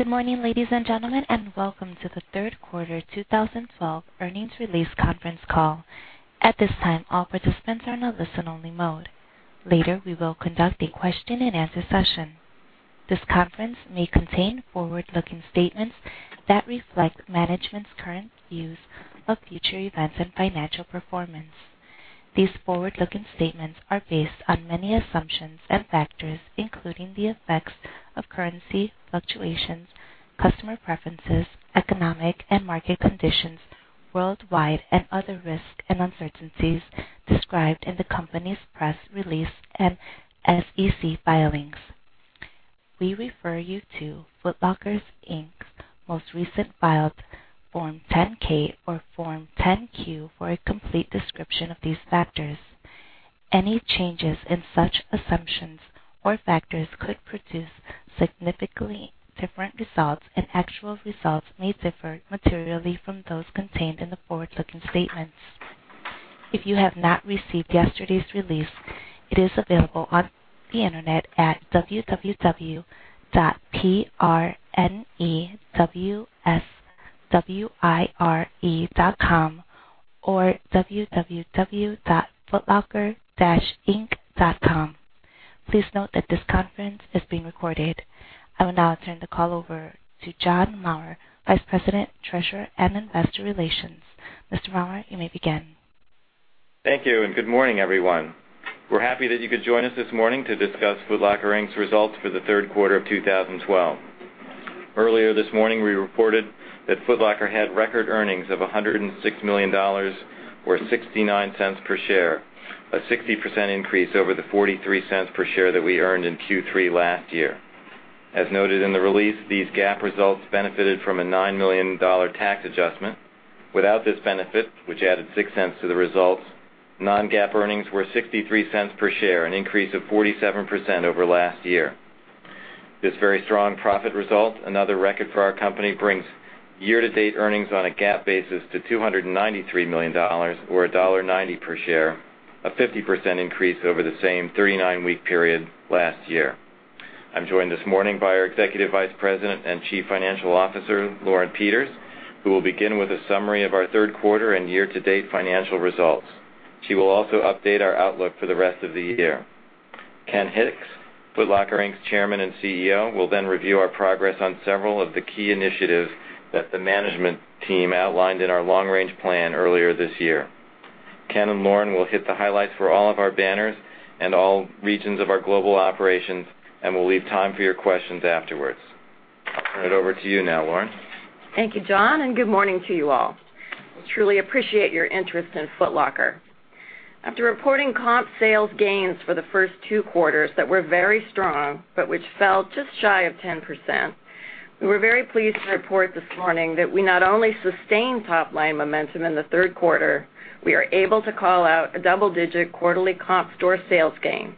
Good morning, ladies and gentlemen, and welcome to the third quarter 2012 earnings release conference call. At this time, all participants are in a listen-only mode. Later, we will conduct a question-and-answer session. This conference may contain forward-looking statements that reflect management's current views of future events and financial performance. These forward-looking statements are based on many assumptions and factors, including the effects of currency fluctuations, customer preferences, economic and market conditions worldwide, and other risks and uncertainties described in the company's press release and SEC filings. We refer you to Foot Locker, Inc.'s most recent filed Form 10-K or Form 10-Q for a complete description of these factors. Any changes in such assumptions or factors could produce significantly different results, and actual results may differ materially from those contained in the forward-looking statements. If you have not received yesterday's release, it is available on the Internet at www.prnewswire.com or www.footlocker-inc.com. Please note that this conference is being recorded. I will now turn the call over to John Maurer, Vice President, Treasurer, and Investor Relations. Mr. Maurer, you may begin. Thank you, and good morning, everyone. We're happy that you could join us this morning to discuss Foot Locker, Inc.'s results for the third quarter of 2012. Earlier this morning, we reported that Foot Locker had record earnings of $106 million or $0.69 per share, a 60% increase over the $0.43 per share that we earned in Q3 last year. As noted in the release, these GAAP results benefited from a $9 million tax adjustment. Without this benefit, which added $0.06 to the results, non-GAAP earnings were $0.63 per share, an increase of 47% over last year. This very strong profit result, another record for our company, brings year-to-date earnings on a GAAP basis to $293 million or $1.90 per share, a 50% increase over the same 39-week period last year. I'm joined this morning by our Executive Vice President and Chief Financial Officer, Lauren Peters, who will begin with a summary of our third quarter and year-to-date financial results. She will also update our outlook for the rest of the year. Ken Hicks, Foot Locker, Inc.'s Chairman and CEO, will then review our progress on several of the key initiatives that the management team outlined in our long-range plan earlier this year. Ken and Lauren will hit the highlights for all of our banners and all regions of our global operations and will leave time for your questions afterwards. I'll turn it over to you now, Lauren. Thank you, John. Good morning to you all. We truly appreciate your interest in Foot Locker. After reporting comp sales gains for the first two quarters that were very strong but which fell just shy of 10%, we were very pleased to report this morning that we not only sustained top-line momentum in the third quarter, we are able to call out a double-digit quarterly comp store sales gain.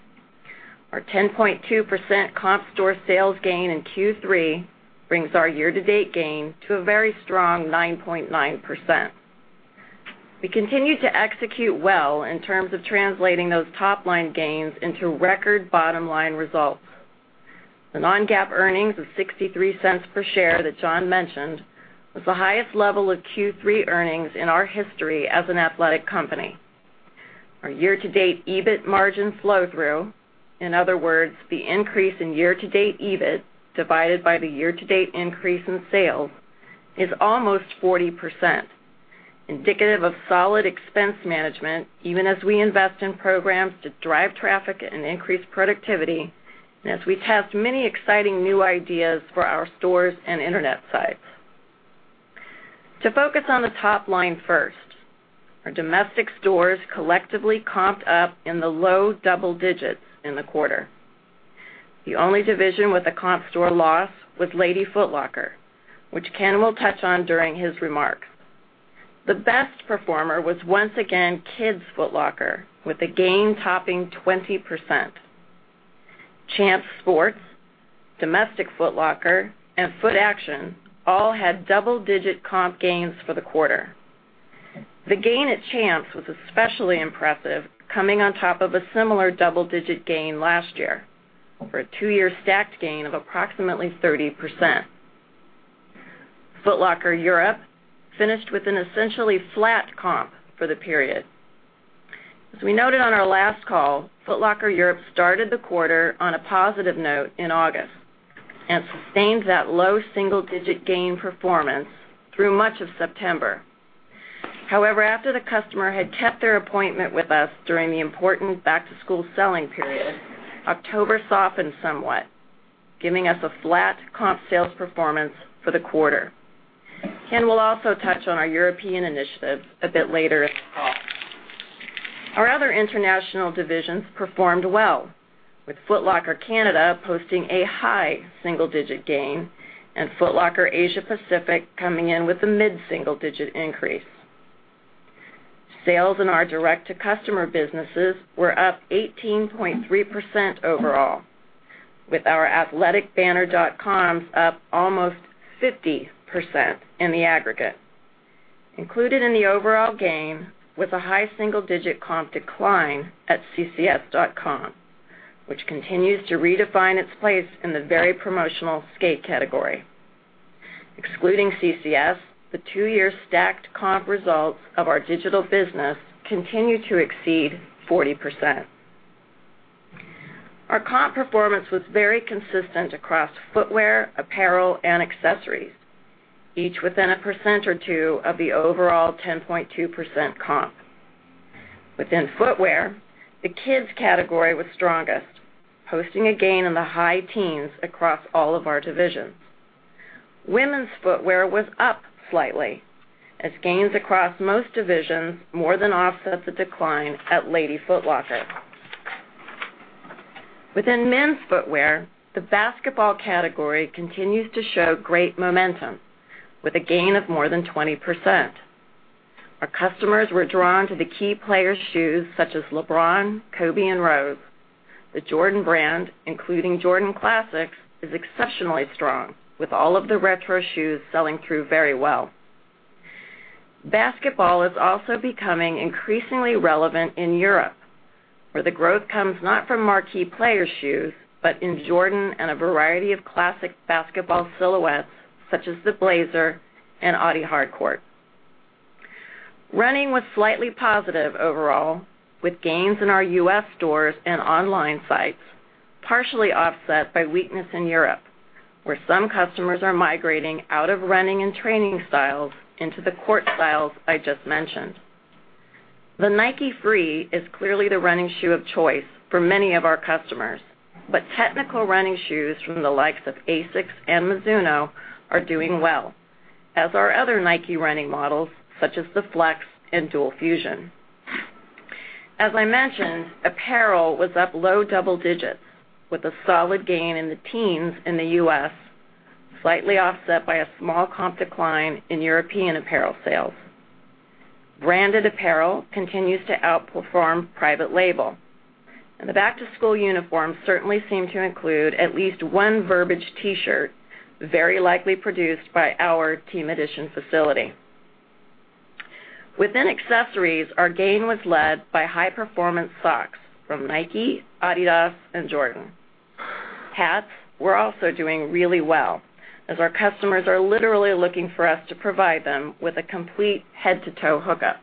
Our 10.2% comp store sales gain in Q3 brings our year-to-date gain to a very strong 9.9%. We continue to execute well in terms of translating those top-line gains into record bottom-line results. The non-GAAP earnings of $0.63 per share that John mentioned was the highest level of Q3 earnings in our history as an athletic company. Our year-to-date EBIT margin flow-through, in other words, the increase in year-to-date EBIT divided by the year-to-date increase in sales, is almost 40%, indicative of solid expense management, even as we invest in programs to drive traffic and increase productivity, and as we test many exciting new ideas for our stores and internet sites. To focus on the top-line first, our domestic stores collectively comped up in the low double digits in the quarter. The only division with a comp store loss was Lady Foot Locker, which Ken will touch on during his remarks. The best performer was once again Kids Foot Locker with a gain topping 20%. Champs Sports, Domestic Foot Locker, and Footaction all had double-digit comp gains for the quarter. The gain at Champs was especially impressive, coming on top of a similar double-digit gain last year for a two-year stacked gain of approximately 30%. Foot Locker Europe finished with an essentially flat comp for the period. As we noted on our last call, Foot Locker Europe started the quarter on a positive note in August and sustained that low single-digit gain performance through much of September. However, after the customer had kept their appointment with us during the important back-to-school selling period, October softened somewhat, giving us a flat comp sales performance for the quarter. Ken will also touch on our European initiatives a bit later in the call. Our other international divisions performed well, with Foot Locker Canada posting a high single-digit gain and Foot Locker Asia Pacific coming in with a mid-single-digit increase. Sales in our direct-to-customer businesses were up 18.3% overall, with our athletic banner dot-coms up almost 50% in the aggregate. Included in the overall gain was a high single-digit comp decline at ccs.com, which continues to redefine its place in the very promotional skate category. Excluding CCS, the two-year stacked comp results of our digital business continued to exceed 40%. Our comp performance was very consistent across footwear, apparel, and accessories, each within a percent or two of the overall 10.2% comp. Within footwear, the kids category was strongest, posting a gain in the high teens across all of our divisions. Women's footwear was up slightly as gains across most divisions more than offset the decline at Lady Foot Locker. Within men's footwear, the basketball category continues to show great momentum with a gain of more than 20%. Our customers were drawn to the key player shoes such as LeBron, Kobe, and Rose. The Jordan brand, including Jordan Classics, is exceptionally strong with all of the retro shoes selling through very well. Basketball is also becoming increasingly relevant in Europe, where the growth comes not from marquee player shoes, but in Jordan and a variety of classic basketball silhouettes such as the Nike Blazer and Adidas Hard Court. Running was slightly positive overall, with gains in our U.S. stores and online sites partially offset by weakness in Europe, where some customers are migrating out of running and training styles into the court styles I just mentioned. The Nike Free is clearly the running shoe of choice for many of our customers, but technical running shoes from the likes of ASICS and Mizuno are doing well, as are other Nike running models such as the Nike Flex and Nike Dual Fusion. As I mentioned, apparel was up low double-digits with a solid gain in the teens in the U.S., slightly offset by a small comp decline in European apparel sales. Branded apparel continues to outperform private label, and the back-to-school uniform certainly seemed to include at least one Verbiage T-shirt, very likely produced by our Team Edition Apparel facility. Within accessories, our gain was led by high-performance socks from Nike, Adidas, and Jordan. Hats were also doing really well as our customers are literally looking for us to provide them with a complete head-to-toe hookup.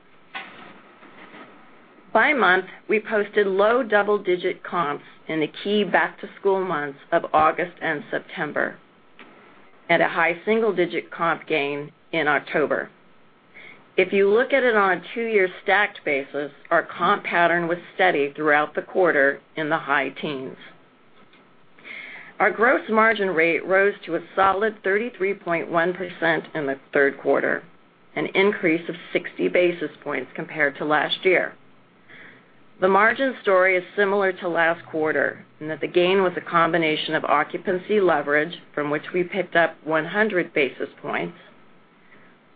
By month, we posted low double-digit comps in the key back-to-school months of August and September, and a high single-digit comp gain in October. If you look at it on a 2-year stacked basis, our comp pattern was steady throughout the quarter in the high teens. Our gross margin rate rose to a solid 33.1% in the third quarter, an increase of 60 basis points compared to last year. The margin story is similar to last quarter in that the gain was a combination of occupancy leverage, from which we picked up 100 basis points,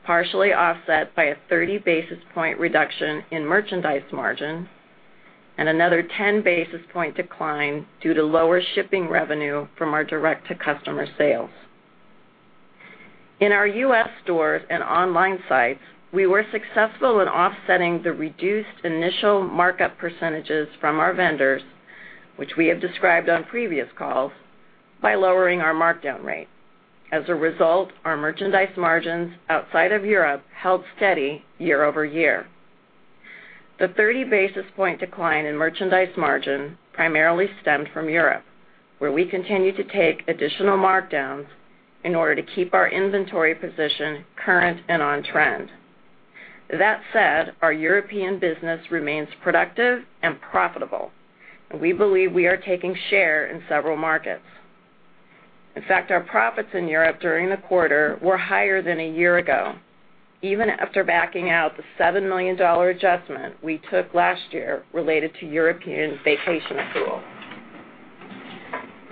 partially offset by a 30 basis point reduction in merchandise margin and another 10 basis point decline due to lower shipping revenue from our direct-to-customer sales. In our U.S. stores and online sites, we were successful in offsetting the reduced initial markup percentages from our vendors, which we have described on previous calls, by lowering our markdown rate. As a result, our merchandise margins outside of Europe held steady year-over-year. The 30 basis point decline in merchandise margin primarily stemmed from Europe, where we continued to take additional markdowns in order to keep our inventory position current and on trend. That said, our European business remains productive and profitable, and we believe we are taking share in several markets. In fact, our profits in Europe during the quarter were higher than a year ago, even after backing out the $7 million adjustment we took last year related to European vacation accrual.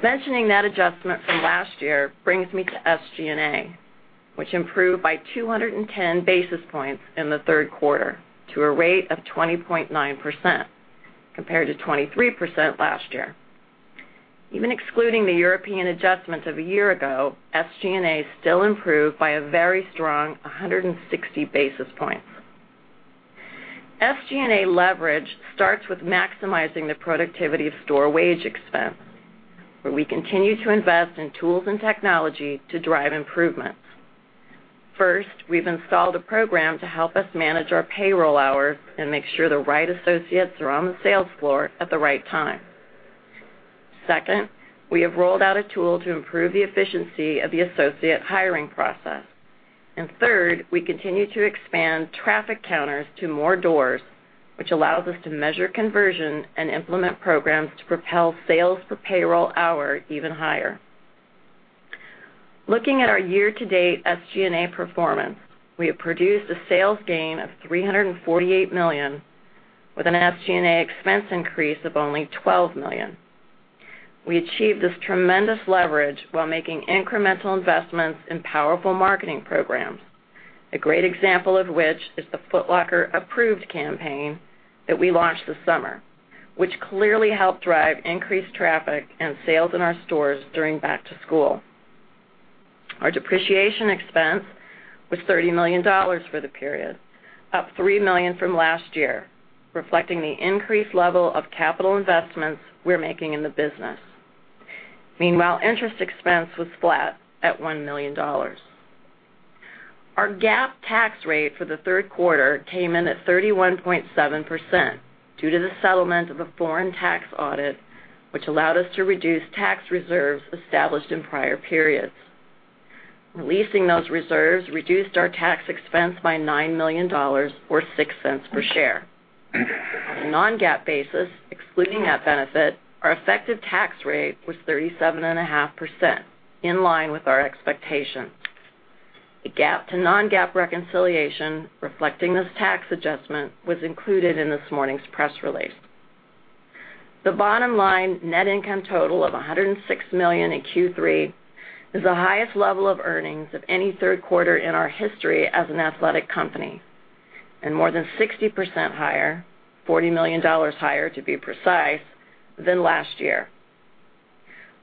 Mentioning that adjustment from last year brings me to SG&A, which improved by 210 basis points in the third quarter to a rate of 20.9%, compared to 23% last year. Even excluding the European adjustments of a year ago, SG&A still improved by a very strong 160 basis points. SG&A leverage starts with maximizing the productivity of store wage expense, where we continue to invest in tools and technology to drive improvements. First, we've installed a program to help us manage our payroll hours and make sure the right associates are on the sales floor at the right time. Second, we have rolled out a tool to improve the efficiency of the associate hiring process. Third, we continue to expand traffic counters to more doors, which allows us to measure conversion and implement programs to propel sales per payroll hour even higher. Looking at our year-to-date SG&A performance, we have produced a sales gain of $348 million with an SG&A expense increase of only $12 million. We achieved this tremendous leverage while making incremental investments in powerful marketing programs, a great example of which is the Foot Locker Approved campaign that we launched this summer. Which clearly helped drive increased traffic and sales in our stores during back to school. Our depreciation expense was $30 million for the period, up $3 million from last year, reflecting the increased level of capital investments we're making in the business. Meanwhile, interest expense was flat at $1 million. Our GAAP tax rate for the third quarter came in at 31.7% due to the settlement of a foreign tax audit, which allowed us to reduce tax reserves established in prior periods. Releasing those reserves reduced our tax expense by $9 million, or $0.06 per share. On a non-GAAP basis, excluding that benefit, our effective tax rate was 37.5%, in line with our expectations. A GAAP to non-GAAP reconciliation reflecting this tax adjustment was included in this morning's press release. The bottom line net income total of $106 million in Q3 is the highest level of earnings of any third quarter in our history as an athletic company and more than 60% higher, $40 million higher to be precise, than last year.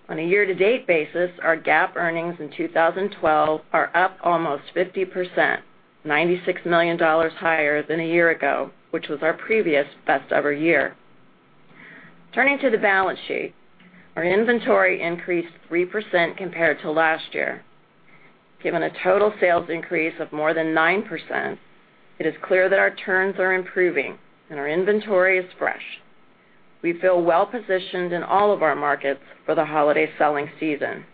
On a year-to-date basis, our GAAP earnings in 2012 are up almost 50%, $96 million higher than a year ago, which was our previous best-ever year. Turning to the balance sheet, our inventory increased 3% compared to last year. Given a total sales increase of more than 9%, it is clear that our turns are improving and our inventory is fresh. We feel well-positioned in all of our markets for the holiday selling season.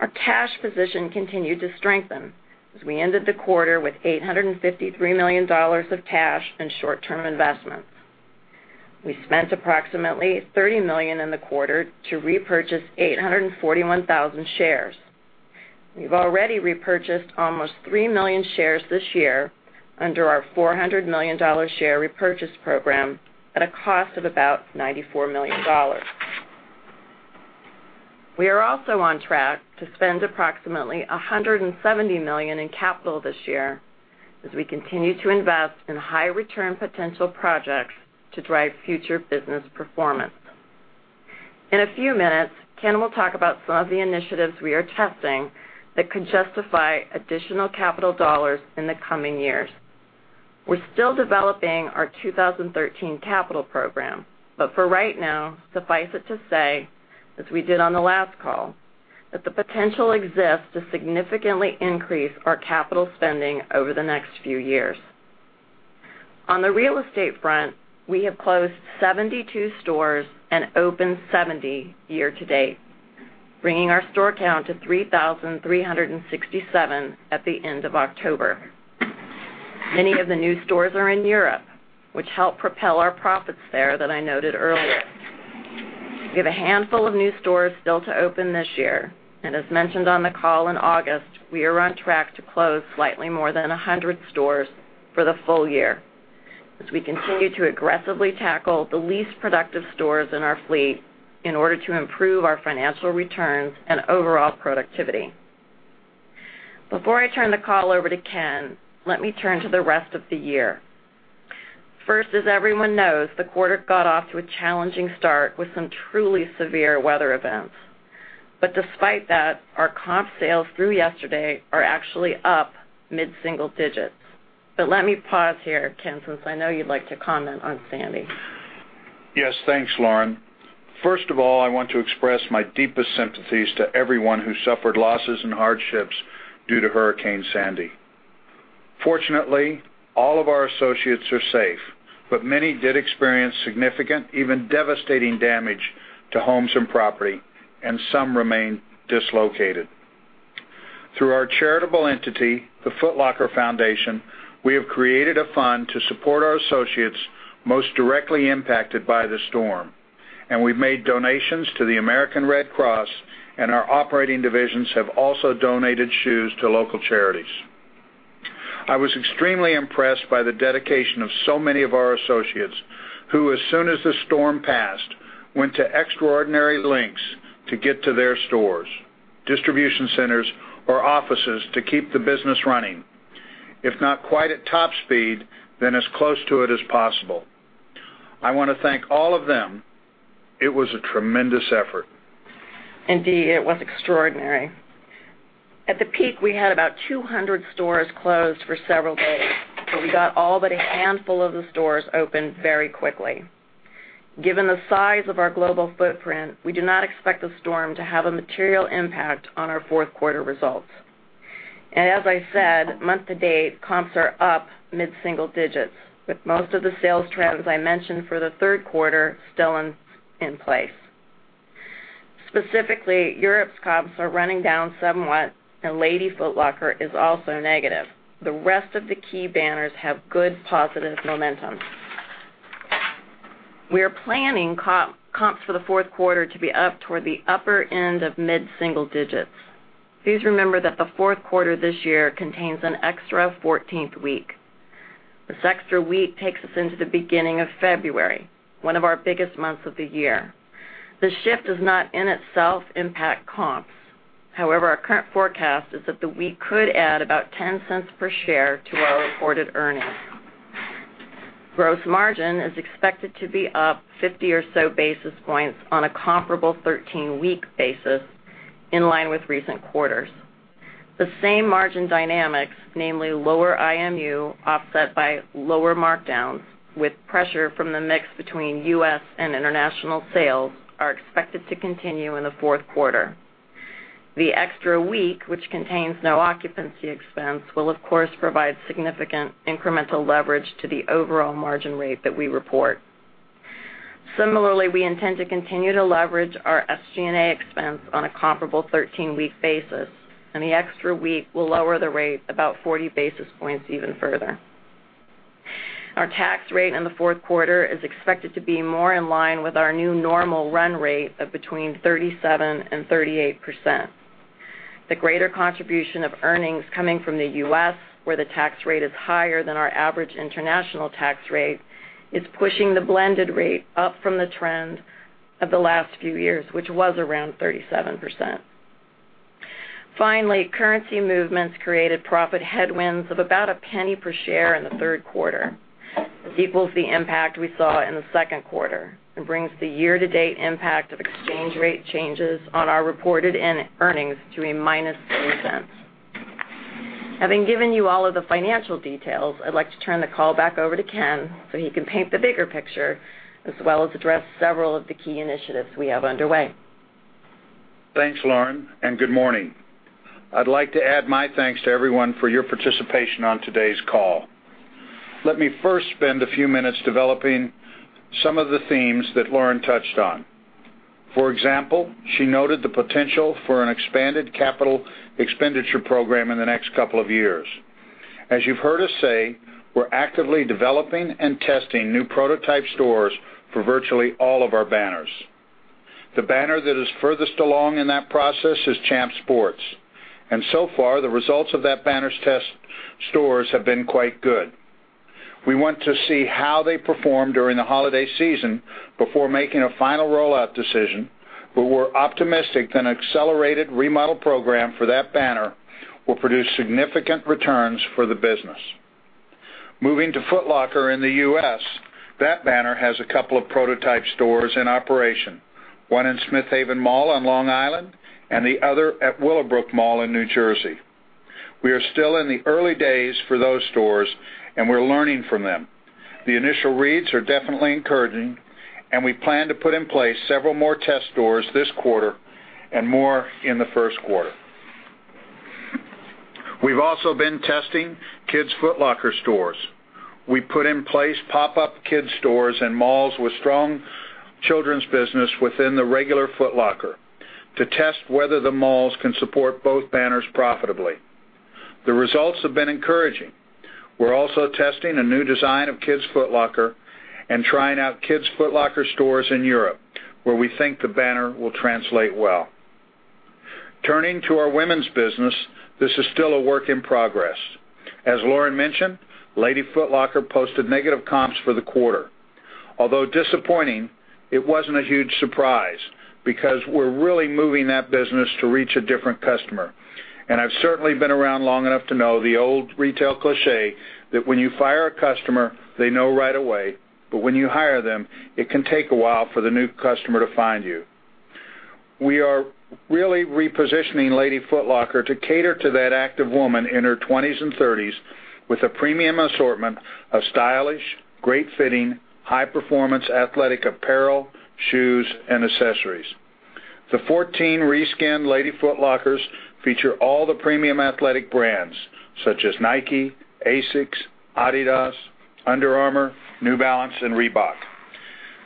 Our cash position continued to strengthen as we ended the quarter with $853 million of cash and short-term investments. We spent approximately $30 million in the quarter to repurchase 841,000 shares. We've already repurchased almost 3 million shares this year under our $400 million share repurchase program at a cost of about $94 million. We are also on track to spend approximately $170 million in capital this year as we continue to invest in high-return potential projects to drive future business performance. In a few minutes, Ken will talk about some of the initiatives we are testing that could justify additional capital dollars in the coming years. We're still developing our 2013 capital program, for right now, suffice it to say, as we did on the last call, that the potential exists to significantly increase our capital spending over the next few years. On the real estate front, we have closed 72 stores and opened 70 year to date, bringing our store count to 3,367 at the end of October. Many of the new stores are in Europe, which helped propel our profits there that I noted earlier. We have a handful of new stores still to open this year, as mentioned on the call in August, we are on track to close slightly more than 100 stores for the full year as we continue to aggressively tackle the least productive stores in our fleet in order to improve our financial returns and overall productivity. Before I turn the call over to Ken, let me turn to the rest of the year. First, as everyone knows, the quarter got off to a challenging start with some truly severe weather events. Despite that, our comp sales through yesterday are actually up mid-single digits. Let me pause here, Ken, since I know you'd like to comment on Sandy. Yes. Thanks, Lauren. First of all, I want to express my deepest sympathies to everyone who suffered losses and hardships due to Hurricane Sandy. Fortunately, all of our associates are safe, but many did experience significant, even devastating damage to homes and property, and some remain dislocated. Through our charitable entity, the Foot Locker Foundation, we have created a fund to support our associates most directly impacted by the storm. We've made donations to the American Red Cross, and our operating divisions have also donated shoes to local charities. I was extremely impressed by the dedication of so many of our associates, who as soon as the storm passed, went to extraordinary lengths to get to their stores, distribution centers, or offices to keep the business running. If not quite at top speed, then as close to it as possible. I want to thank all of them. It was a tremendous effort. Indeed, it was extraordinary. At the peak, we had about 200 stores closed for several days, we got all but a handful of the stores open very quickly. Given the size of our global footprint, we do not expect the storm to have a material impact on our fourth quarter results. As I said, month to date, comps are up mid-single digits, with most of the sales trends I mentioned for the third quarter still in place. Specifically, Europe's comps are running down somewhat, and Lady Foot Locker is also negative. The rest of the key banners have good positive momentum. We are planning comps for the fourth quarter to be up toward the upper end of mid-single digits. Please remember that the fourth quarter this year contains an extra 14th week. This extra week takes us into the beginning of February, one of our biggest months of the year. The shift does not in itself impact comps. However, our current forecast is that we could add about $0.10 per share to our reported earnings. Gross margin is expected to be up 50 or so basis points on a comparable 13-week basis, in line with recent quarters. The same margin dynamics, namely lower IMU offset by lower markdowns, with pressure from the mix between U.S. and international sales, are expected to continue in the fourth quarter. The extra week, which contains no occupancy expense, will of course provide significant incremental leverage to the overall margin rate that we report. Similarly, we intend to continue to leverage our SG&A expense on a comparable 13-week basis, and the extra week will lower the rate about 40 basis points even further. Our tax rate in the fourth quarter is expected to be more in line with our new normal run rate of between 37% and 38%. The greater contribution of earnings coming from the U.S., where the tax rate is higher than our average international tax rate, is pushing the blended rate up from the trend of the last few years, which was around 37%. Finally, currency movements created profit headwinds of about $0.01 per share in the third quarter. This equals the impact we saw in the second quarter and brings the year-to-date impact of exchange rate changes on our reported net earnings to a -$0.02. Having given you all of the financial details, I'd like to turn the call back over to Ken so he can paint the bigger picture as well as address several of the key initiatives we have underway. Thanks, Lauren, and good morning. I'd like to add my thanks to everyone for your participation on today's call. Let me first spend a few minutes developing some of the themes that Lauren touched on. For example, she noted the potential for an expanded capital expenditure program in the next couple of years. As you've heard us say, we're actively developing and testing new prototype stores for virtually all of our banners. The banner that is furthest along in that process is Champs Sports, and so far, the results of that banner's test stores have been quite good. We want to see how they perform during the holiday season before making a final rollout decision, but we're optimistic that an accelerated remodel program for that banner will produce significant returns for the business. Moving to Foot Locker in the U.S., that banner has a couple of prototype stores in operation, one in Smith Haven Mall on Long Island and the other at Willowbrook Mall in New Jersey. We are still in the early days for those stores, and we're learning from them. The initial reads are definitely encouraging, and we plan to put in place several more test stores this quarter and more in the first quarter. We've also been testing Kids Foot Locker stores. We put in place pop-up kids stores in malls with strong children's business within the regular Foot Locker to test whether the malls can support both banners profitably. The results have been encouraging. We're also testing a new design of Kids Foot Locker and trying out Kids Foot Locker stores in Europe, where we think the banner will translate well. Turning to our women's business, this is still a work in progress. As Lauren mentioned, Lady Foot Locker posted negative comps for the quarter. Although disappointing, it wasn't a huge surprise because we're really moving that business to reach a different customer. I've certainly been around long enough to know the old retail cliché that when you fire a customer, they know right away, but when you hire them, it can take a while for the new customer to find you. We are really repositioning Lady Foot Locker to cater to that active woman in her 20s and 30s with a premium assortment of stylish, great-fitting, high-performance athletic apparel, shoes, and accessories. The 14 re-skinned Lady Foot Lockers feature all the premium athletic brands such as Nike, ASICS, Adidas, Under Armour, New Balance, and Reebok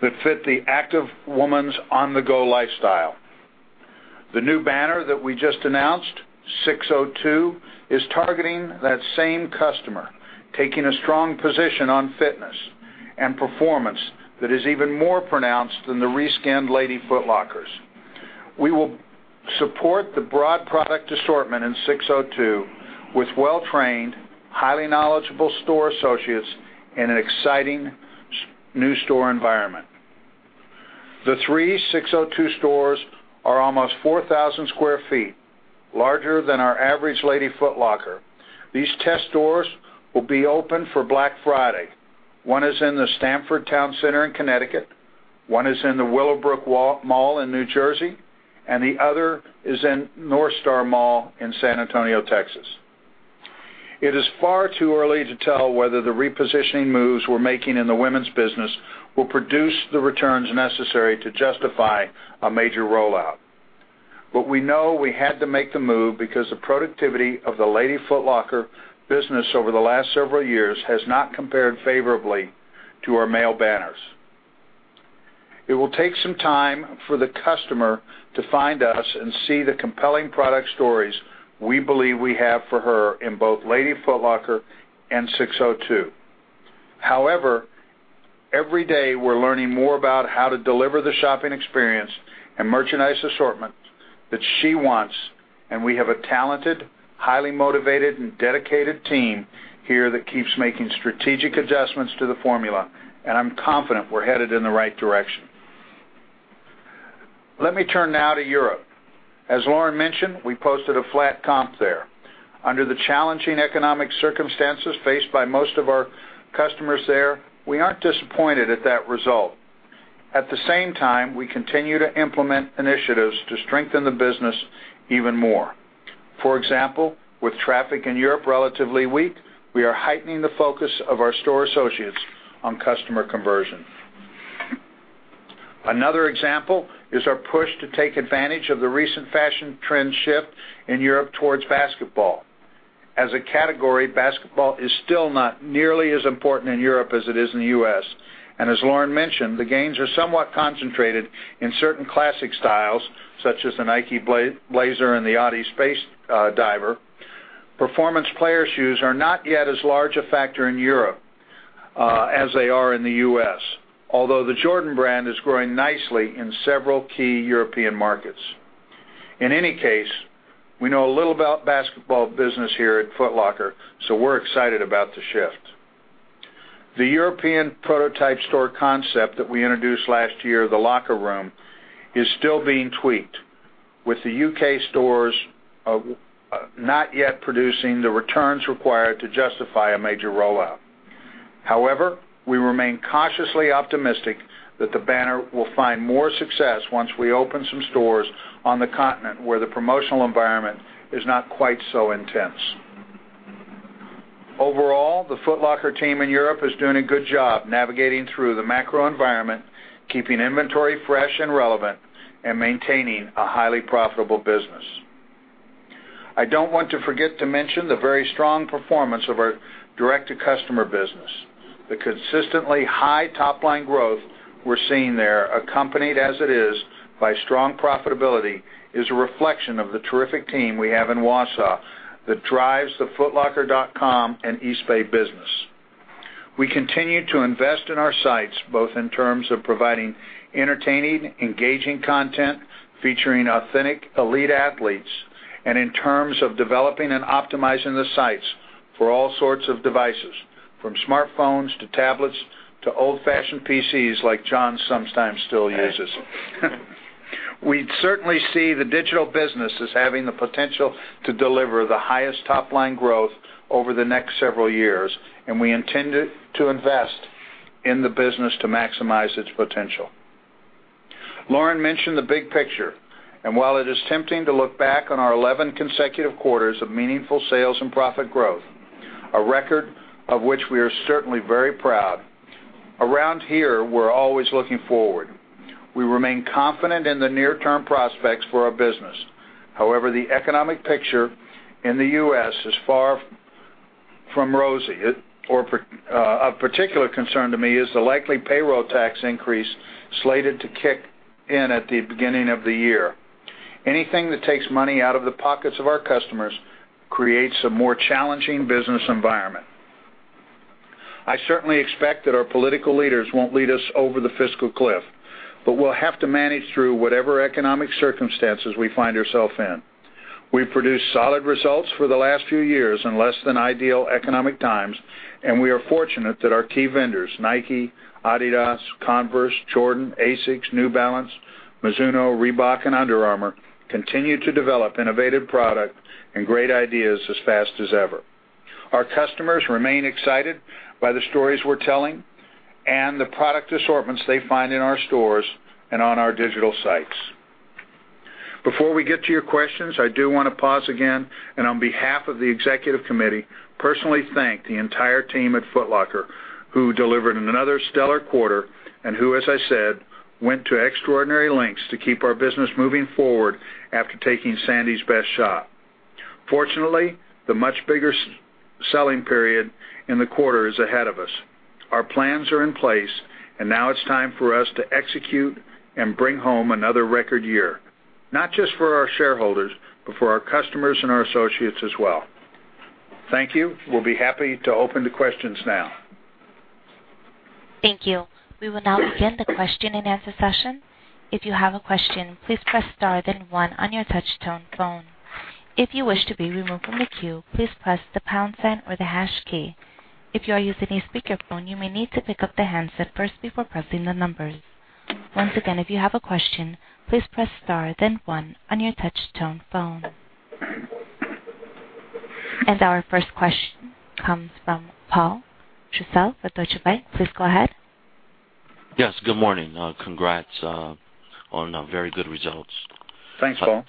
that fit the active woman's on-the-go lifestyle. The new banner that we just announced, SIX:02, is targeting that same customer, taking a strong position on fitness and performance that is even more pronounced than the re-skinned Lady Foot Lockers. We will support the broad product assortment in SIX:02 with well-trained, highly knowledgeable store associates in an exciting new store environment. The three SIX:02 stores are almost 4,000 sq ft, larger than our average Lady Foot Locker. These test stores will be open for Black Friday. One is in the Stamford Town Center in Connecticut, one is in the Willowbrook Mall in New Jersey, and the other is in North Star Mall in San Antonio, Texas. It is far too early to tell whether the repositioning moves we're making in the women's business will produce the returns necessary to justify a major rollout. We know we had to make the move because the productivity of the Lady Foot Locker business over the last several years has not compared favorably to our male banners. It will take some time for the customer to find us and see the compelling product stories we believe we have for her in both Lady Foot Locker and SIX:02. However, every day, we're learning more about how to deliver the shopping experience and merchandise assortment that she wants. We have a talented, highly motivated, and dedicated team here that keeps making strategic adjustments to the formula. I'm confident we're headed in the right direction. Let me turn now to Europe. As Lauren mentioned, we posted a flat comp there. Under the challenging economic circumstances faced by most of our customers there, we aren't disappointed at that result. At the same time, we continue to implement initiatives to strengthen the business even more. For example, with traffic in Europe relatively weak, we are heightening the focus of our store associates on customer conversion. Another example is our push to take advantage of the recent fashion trend shift in Europe towards basketball. As a category, basketball is still not nearly as important in Europe as it is in the U.S. As Lauren mentioned, the gains are somewhat concentrated in certain classic styles such as the Nike Blazer and the Adi Space Diver. Performance player shoes are not yet as large a factor in Europe as they are in the U.S., although the Jordan brand is growing nicely in several key European markets. In any case, we know a little about basketball business here at Foot Locker, so we're excited about the shift. The European prototype store concept that we introduced last year, the Locker Room, is still being tweaked, with the U.K. stores not yet producing the returns required to justify a major rollout. However, we remain cautiously optimistic that the banner will find more success once we open some stores on the continent where the promotional environment is not quite so intense. Overall, the Foot Locker team in Europe is doing a good job navigating through the macro environment, keeping inventory fresh and relevant, and maintaining a highly profitable business. I don't want to forget to mention the very strong performance of our direct-to-customer business. The consistently high top-line growth we're seeing there, accompanied as it is by strong profitability, is a reflection of the terrific team we have in Wausau that drives the footlocker.com and Eastbay business. We continue to invest in our sites, both in terms of providing entertaining, engaging content featuring authentic elite athletes, and in terms of developing and optimizing the sites for all sorts of devices, from smartphones to tablets to old-fashioned PCs like John sometimes still uses. We certainly see the digital business as having the potential to deliver the highest top-line growth over the next several years, and we intend to invest in the business to maximize its potential. Lauren mentioned the big picture, and while it is tempting to look back on our 11 consecutive quarters of meaningful sales and profit growth, a record of which we are certainly very proud. Around here, we're always looking forward. We remain confident in the near-term prospects for our business. However, the economic picture in the U.S. is far from rosy. Of particular concern to me is the likely payroll tax increase slated to kick in at the beginning of the year. Anything that takes money out of the pockets of our customers creates a more challenging business environment. I certainly expect that our political leaders won't lead us over the fiscal cliff, but we'll have to manage through whatever economic circumstances we find ourselves in. We've produced solid results for the last few years in less than ideal economic times, and we are fortunate that our key vendors, Nike, Adidas, Converse, Jordan, ASICS, New Balance, Mizuno, Reebok, and Under Armour, continue to develop innovative product and great ideas as fast as ever. Our customers remain excited by the stories we're telling and the product assortments they find in our stores and on our digital sites. Before we get to your questions, I do want to pause again and on behalf of the executive committee, personally thank the entire team at Foot Locker who delivered another stellar quarter and who, as I said, went to extraordinary lengths to keep our business moving forward after taking Sandy's best shot. Fortunately, the much bigger selling period in the quarter is ahead of us. Our plans are in place, and now it's time for us to execute and bring home another record year, not just for our shareholders, but for our customers and our associates as well. Thank you. We'll be happy to open to questions now. Thank you. We will now begin the question and answer session. If you have a question, please press star then one on your touch tone phone. If you wish to be removed from the queue, please press the pound sign or the hash key. If you are using a speakerphone, you may need to pick up the handset first before pressing the numbers. Once again, if you have a question, please press star then one on your touch tone phone. Our first question comes from Paul Trussell with Deutsche Bank. Please go ahead. Yes, good morning. Congrats on very good results. Thanks, Paul.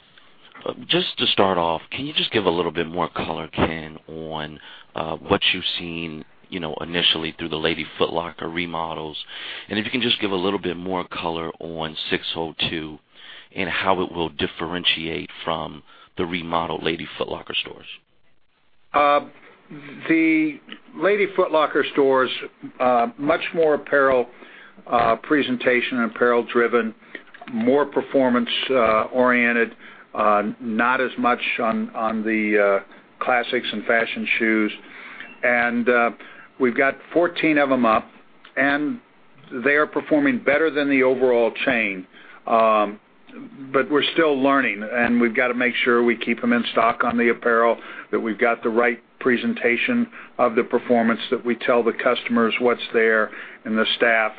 Just to start off, can you just give a little bit more color, Ken, on what you've seen initially through the Lady Foot Locker remodels? If you can just give a little bit more color on SIX:02 and how it will differentiate from the remodeled Lady Foot Locker stores. The Lady Foot Locker stores, much more apparel presentation and apparel driven, more performance oriented, not as much on the classics and fashion shoes. We've got 14 of them up. They are performing better than the overall chain. We're still learning, and we've got to make sure we keep them in stock on the apparel, that we've got the right presentation of the performance, that we tell the customers what's there, and the staff.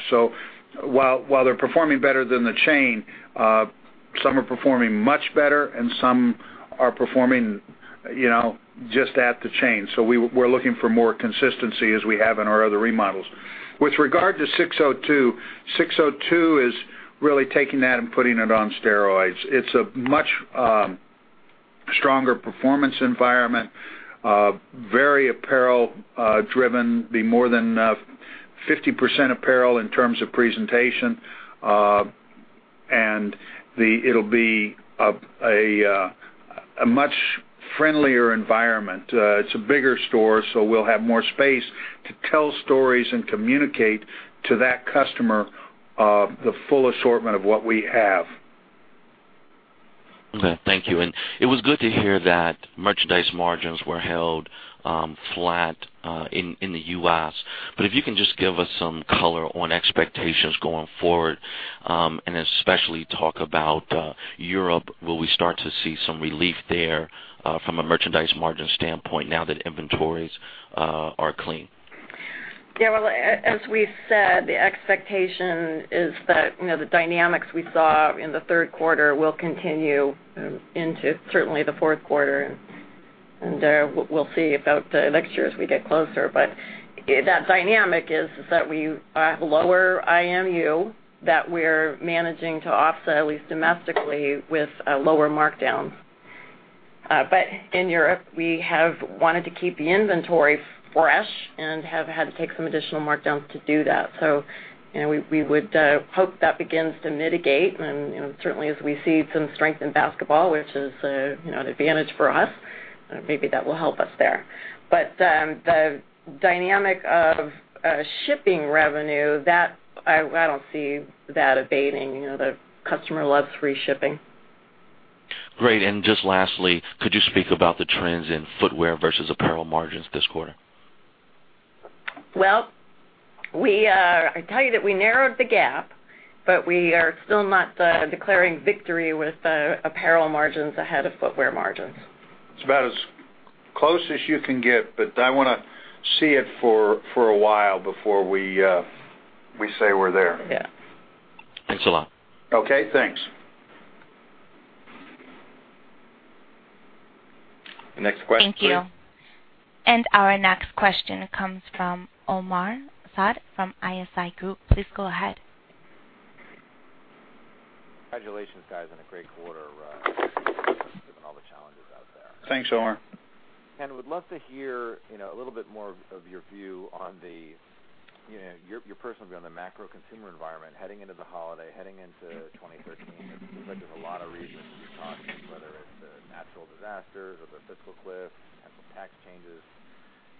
While they're performing better than the chain, some are performing much better, and some are performing just at the chain. We're looking for more consistency as we have in our other remodels. With regard to SIX:02, SIX:02 is really taking that and putting it on steroids. It's a much stronger performance environment, very apparel-driven, be more than 50% apparel in terms of presentation. It'll be a much friendlier environment. It's a bigger store. We'll have more space to tell stories and communicate to that customer the full assortment of what we have. Okay, thank you. It was good to hear that merchandise margins were held flat in the U.S. If you can just give us some color on expectations going forward, and especially talk about Europe. Will we start to see some relief there from a merchandise margin standpoint now that inventories are clean? Yeah. Well, as we've said, the expectation is that the dynamics we saw in the third quarter will continue into certainly the fourth quarter, and we'll see about next year as we get closer. That dynamic is that we have lower IMU that we're managing to offset, at least domestically, with lower markdowns. In Europe, we have wanted to keep the inventory fresh and have had to take some additional markdowns to do that. We would hope that begins to mitigate. Certainly, as we see some strength in basketball, which is an advantage for us, maybe that will help us there. The dynamic of shipping revenue, I don't see that abating. The customer loves free shipping. Great. Just lastly, could you speak about the trends in footwear versus apparel margins this quarter? Well, I tell you that we narrowed the gap, but we are still not declaring victory with apparel margins ahead of footwear margins. It's about as close as you can get, but I want to see it for a while before we say we're there. Yeah. Thanks a lot. Okay, thanks. Next question, please. Thank you. Our next question comes from Omar Saad from ISI Group. Please go ahead. Congratulations, guys, on a great quarter given all the challenges out there. Thanks, Omar. Ken, would love to hear a little bit more of your view on the, your personal view on the macro consumer environment heading into the holiday, heading into 2013. It seems like there's a lot of reasons to be cautious, whether it's the natural disasters or the fiscal cliff, potential tax changes,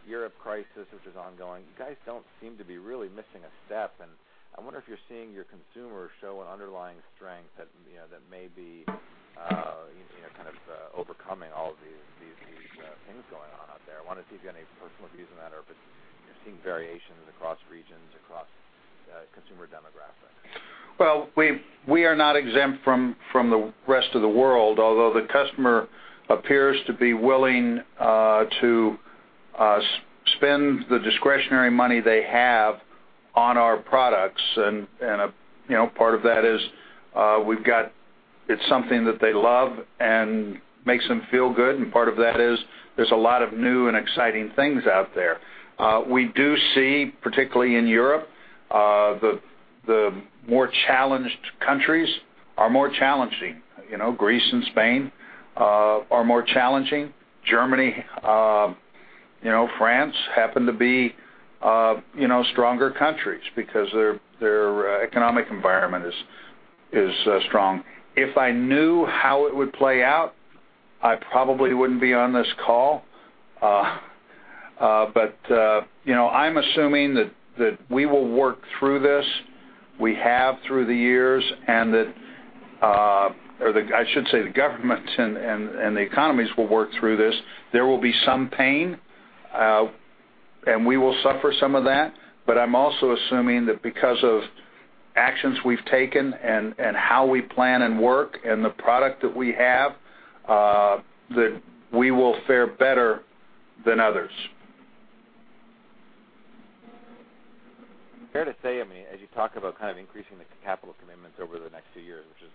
Europe crisis, which is ongoing. You guys don't seem to be really missing a step, and I wonder if you're seeing your consumers show an underlying strength that may be kind of overcoming all of these things going on out there. I wanted to see if you had any personal views on that or if you're seeing variations across regions, across consumer demographics. Well, we are not exempt from the rest of the world, although the customer appears to be willing to spend the discretionary money they have on our products. Part of that is it's something that they love and makes them feel good, and part of that is there's a lot of new and exciting things out there. We do see, particularly in Europe, the more challenged countries are more challenging. Greece and Spain are more challenging. Germany, France happen to be stronger countries because their economic environment is strong. If I knew how it would play out, I probably wouldn't be on this call. I'm assuming that we will work through this, we have through the years, or I should say, the governments and the economies will work through this. There will be some pain, and we will suffer some of that. I'm also assuming that because of actions we've taken and how we plan and work and the product that we have, that we will fare better than others. Fair to say, as you talk about kind of increasing the capital commitments over the next few years, which is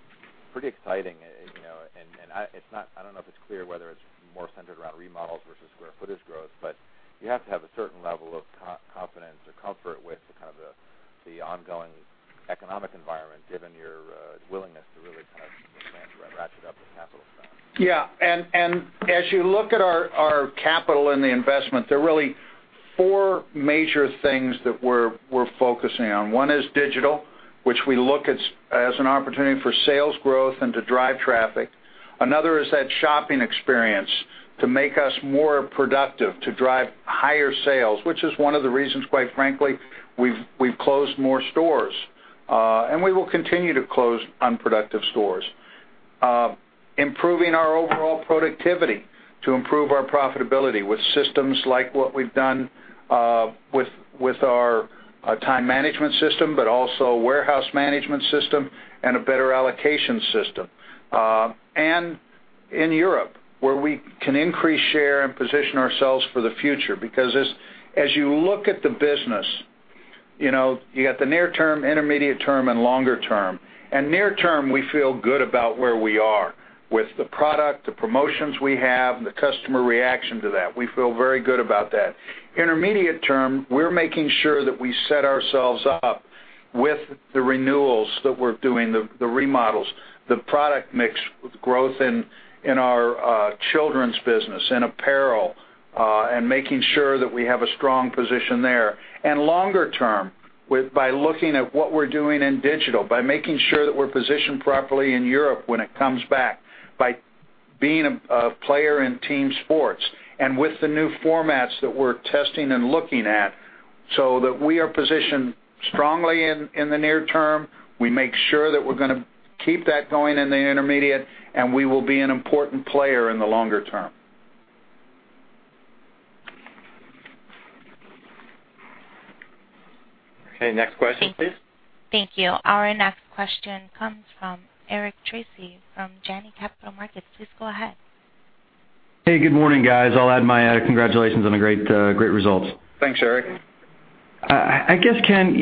pretty exciting, I don't know if it's clear whether it's more centered around remodels versus square footage growth, you have to have a certain level of confidence or comfort with the kind of the ongoing economic environment, given your willingness to really kind of plan to ratchet up the capital spend. Yeah. As you look at our capital and the investment, there are really four major things that we're focusing on. One is digital, which we look at as an opportunity for sales growth and to drive traffic. Another is that shopping experience to make us more productive, to drive higher sales, which is one of the reasons, quite frankly, we've closed more stores. We will continue to close unproductive stores. Improving our overall productivity to improve our profitability with systems like what we've done with our time management system, but also a warehouse management system and a better allocation system. In Europe, where we can increase share and position ourselves for the future, because as you look at the business, you got the near term, intermediate term, and longer term. Near term, we feel good about where we are with the product, the promotions we have, and the customer reaction to that. We feel very good about that. Intermediate term, we're making sure that we set ourselves up with the renewals that we're doing, the remodels, the product mix with growth in our children's business, in apparel, and making sure that we have a strong position there. Longer term, by looking at what we're doing in digital, by making sure that we're positioned properly in Europe when it comes back, by being a player in team sports, and with the new formats that we're testing and looking at, so that we are positioned strongly in the near term. We make sure that we're going to keep that going in the intermediate, and we will be an important player in the longer term. Okay, next question, please. Thank you. Our next question comes from Eric Tracy from Janney Capital Markets. Please go ahead. Hey, good morning, guys. I'll add my congratulations on the great results. Thanks, Eric. I guess, Ken,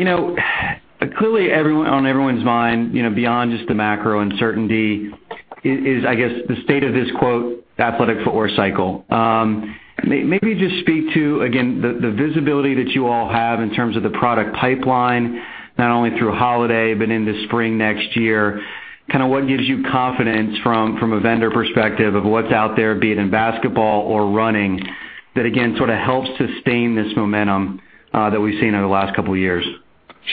clearly on everyone's mind, beyond just the macro uncertainty is, I guess, the state of this "athletic footwear" cycle. Maybe just speak to, again, the visibility that you all have in terms of the product pipeline, not only through holiday but into spring next year. Kind of what gives you confidence from a vendor perspective of what's out there, be it in basketball or running, that again, sort of helps sustain this momentum that we've seen over the last couple of years?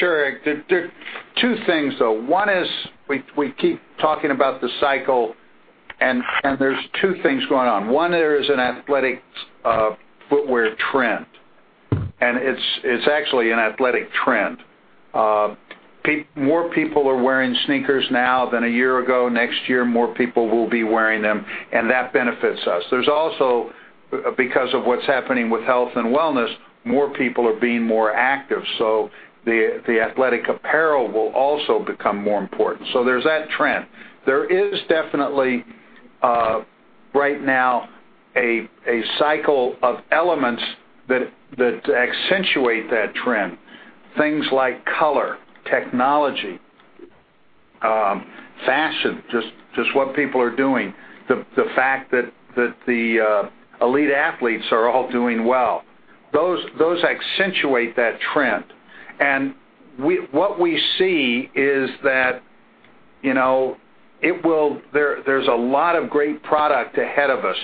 Sure, Eric. There are two things, though. One is we keep talking about the cycle, and there's two things going on. One, there is an athletic footwear trend, and it's actually an athletic trend. More people are wearing sneakers now than a year ago. Next year, more people will be wearing them, and that benefits us. There's also, because of what's happening with health and wellness, more people are being more active, so the athletic apparel will also become more important. There's that trend. There is definitely right now a cycle of elements that accentuate that trend. Things like color, technology, fashion, just what people are doing. The fact that the elite athletes are all doing well. Those accentuate that trend, and what we see is that there's a lot of great product ahead of us.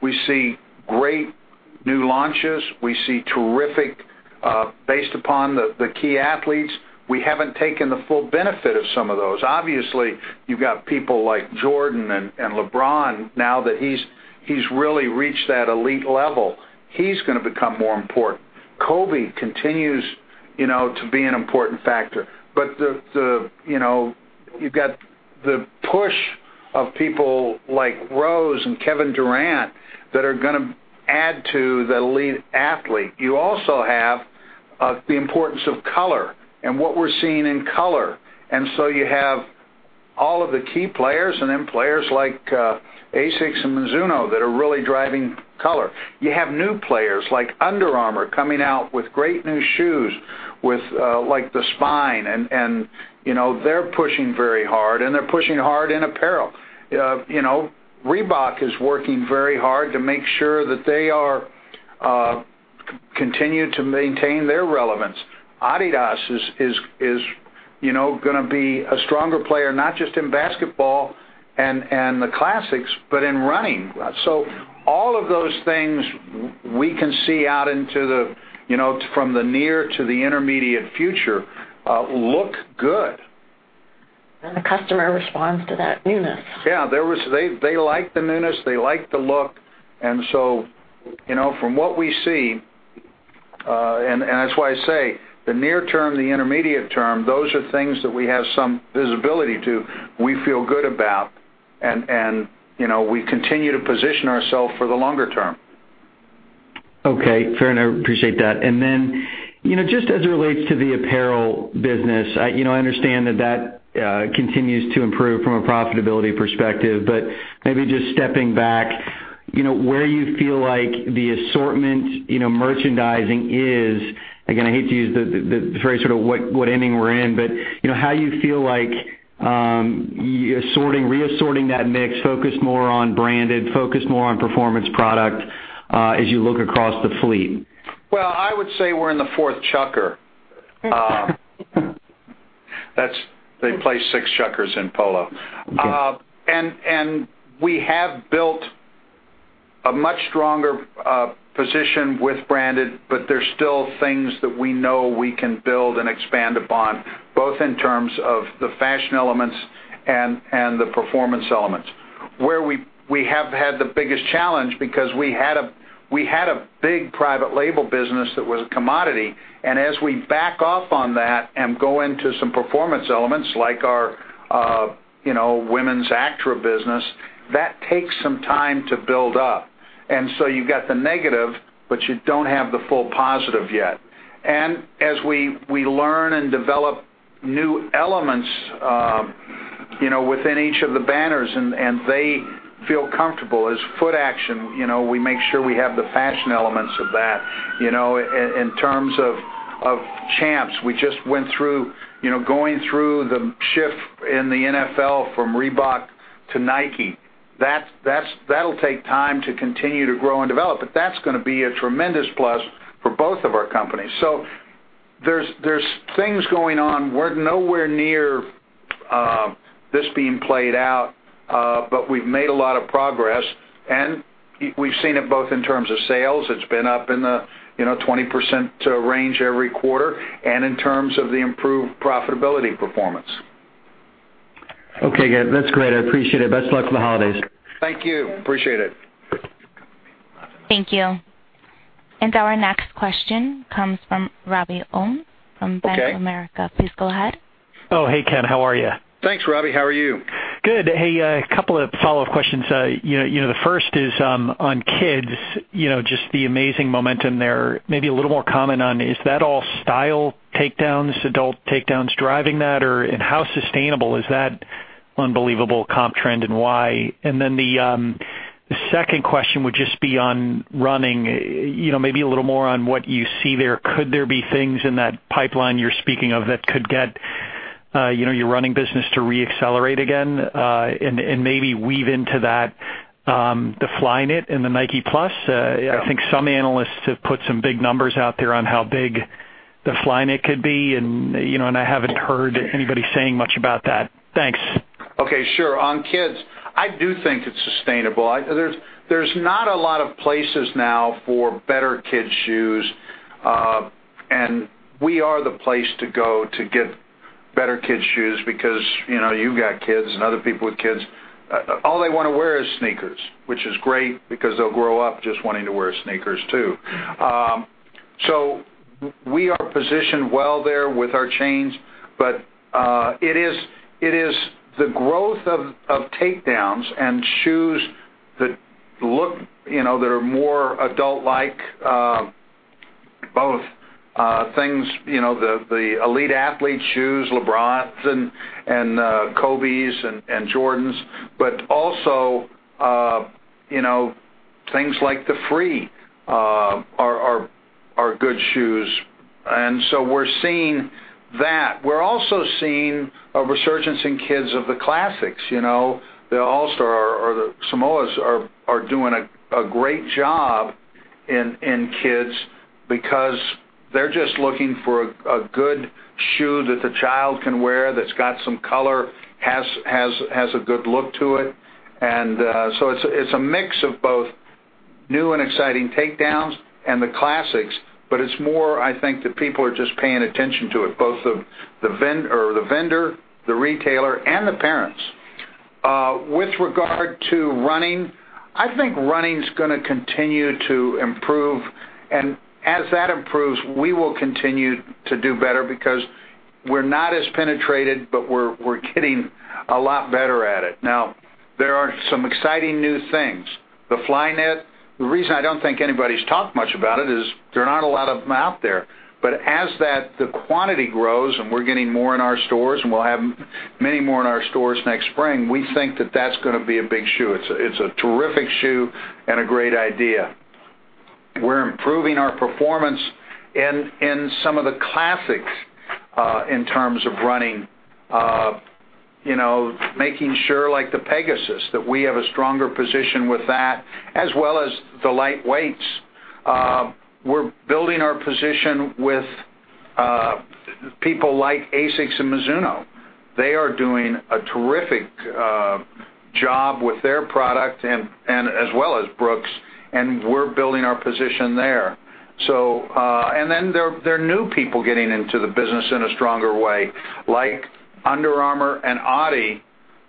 We see great new launches. We see terrific based upon the key athletes. We haven't taken the full benefit of some of those. Obviously, you've got people like Jordan and LeBron now that he's really reached that elite level. He's going to become more important. Kobe continues to be an important factor. You've got the push of people like Rose and Kevin Durant that are going to add to the lead athlete. You also have the importance of color and what we're seeing in color. You have all of the key players and then players like ASICS and Mizuno that are really driving color. You have new players like Under Armour coming out with great new shoes with the Spine and they're pushing very hard and they're pushing hard in apparel. Reebok is working very hard to make sure that they continue to maintain their relevance. Adidas is going to be a stronger player, not just in basketball and the classics, but in running. All of those things we can see from the near to the intermediate future look good. The customer responds to that newness. Yeah, they like the newness, they like the look. From what we see, and that's why I say the near term, the intermediate term, those are things that we have some visibility to, we feel good about, and we continue to position ourself for the longer term. Okay, fair enough. Appreciate that. Then, just as it relates to the apparel business, I understand that continues to improve from a profitability perspective, maybe just stepping back, where you feel like the assortment merchandising is, again, I hate to use the phrase sort of what inning we're in, but how you feel like re-assorting that mix, focus more on branded, focus more on performance product as you look across the fleet. Well, I would say we're in the fourth chukker. They play six chukkers in polo. Okay. We have built a much stronger position with branded, there's still things that we know we can build and expand upon, both in terms of the fashion elements and the performance elements. Where we have had the biggest challenge because we had a big private label business that was a commodity. As we back off on that and go into some performance elements like our women's Actra business, that takes some time to build up. So you've got the negative, you don't have the full positive yet. As we learn and develop new elements within each of the banners and they feel comfortable as Footaction, we make sure we have the fashion elements of that. In terms of Champs, we just went through the shift in the NFL from Reebok to Nike. That'll take time to continue to grow and develop, that's going to be a tremendous plus for both of our companies. There's things going on. We're nowhere near this being played out. We've made a lot of progress, and we've seen it both in terms of sales. It's been up in the 20% range every quarter and in terms of the improved profitability performance. Okay, good. That's great. I appreciate it. Best luck for the holidays. Thank you. Appreciate it. Thank you. Our next question comes from Robert Ohmes from Bank of America. Okay. Please go ahead. Hey, Ken. How are you? Thanks, Robbie. How are you? Good. Hey, 2 follow-up questions. The 1st is on Kids, just the amazing momentum there. Maybe a little more comment on, is that all style takedowns, adult takedowns driving that? How sustainable is that unbelievable comp trend, and why? The 2nd question would just be on running, maybe a little more on what you see there. Could there be things in that pipeline you're speaking of that could get your running business to re-accelerate again and maybe weave into that the Flyknit and the Nike+? Yeah. I think some analysts have put some big numbers out there on how big the Flyknit could be. I haven't heard anybody saying much about that. Thanks. Okay, sure. On Kids, I do think it's sustainable. There's not a lot of places now for better kids' shoes. We are the place to go to get better kids' shoes because you've got kids and other people with kids, all they want to wear is sneakers, which is great because they'll grow up just wanting to wear sneakers, too. We are positioned well there with our chains, but it is the growth of takedowns and shoes that are more adult-like, both things, the elite athlete shoes, LeBron and Kobe and Jordan, but also things like the Free are good shoes. We're seeing that. We're also seeing a resurgence in Kids of the classics. The All-Star or the Samoas are doing a great job in Kids because they're just looking for a good shoe that the child can wear, that's got some color, has a good look to it. It's a mix of both new and exciting takedowns and the classics, but it's more, I think, that people are just paying attention to it, both the vendor, the retailer, and the parents. With regard to running, I think running's going to continue to improve. As that improves, we will continue to do better because we're not as penetrated, but we're getting a lot better at it. Now, there are some exciting new things. The Flyknit, the reason I don't think anybody's talked much about it is there are not a lot of them out there. As the quantity grows and we're getting more in our stores, and we'll have many more in our stores next spring, we think that that's going to be a big shoe. It's a terrific shoe and a great idea. We're improving our performance in some of the classics in terms of running, making sure, like the Pegasus, that we have a stronger position with that, as well as the lightweights. We're building our position with people like ASICS and Mizuno. They are doing a terrific job with their product as well as Brooks, and we're building our position there. There are new people getting into the business in a stronger way, like Under Armour and Adi.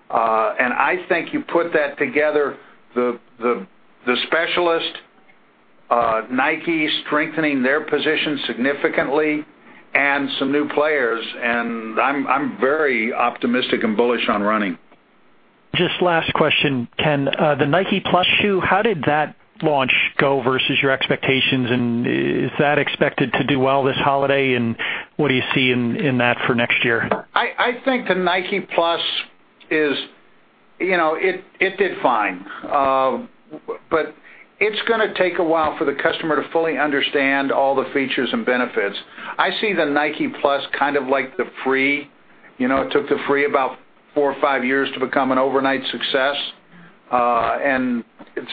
I think you put that together, the specialist, Nike strengthening their position significantly and some new players, and I'm very optimistic and bullish on running. Just last question, Ken. The Nike+ shoe, how did that launch go versus your expectations, is that expected to do well this holiday, what do you see in that for next year? I think the Nike+, it did fine. It's going to take a while for the customer to fully understand all the features and benefits. I see the Nike+ kind of like the Nike Free. It took the Nike Free about four or five years to become an overnight success. The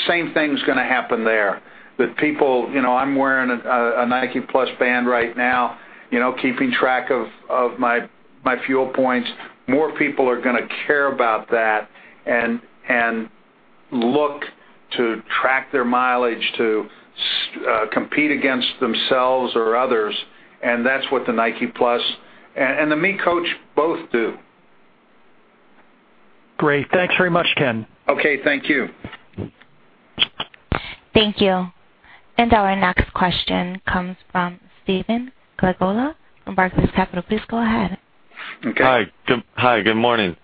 same thing's going to happen there with people. I'm wearing a Nike+ FuelBand right now keeping track of my Fuel points. More people are going to care about that and look to track their mileage, to compete against themselves or others, and that's what the Nike+ and the miCoach both do. Great. Thanks very much, Ken. Okay, thank you. Thank you. Our next question comes from Steven Clauda from Barclays Capital. Please go ahead. Okay. Hi. Good morning.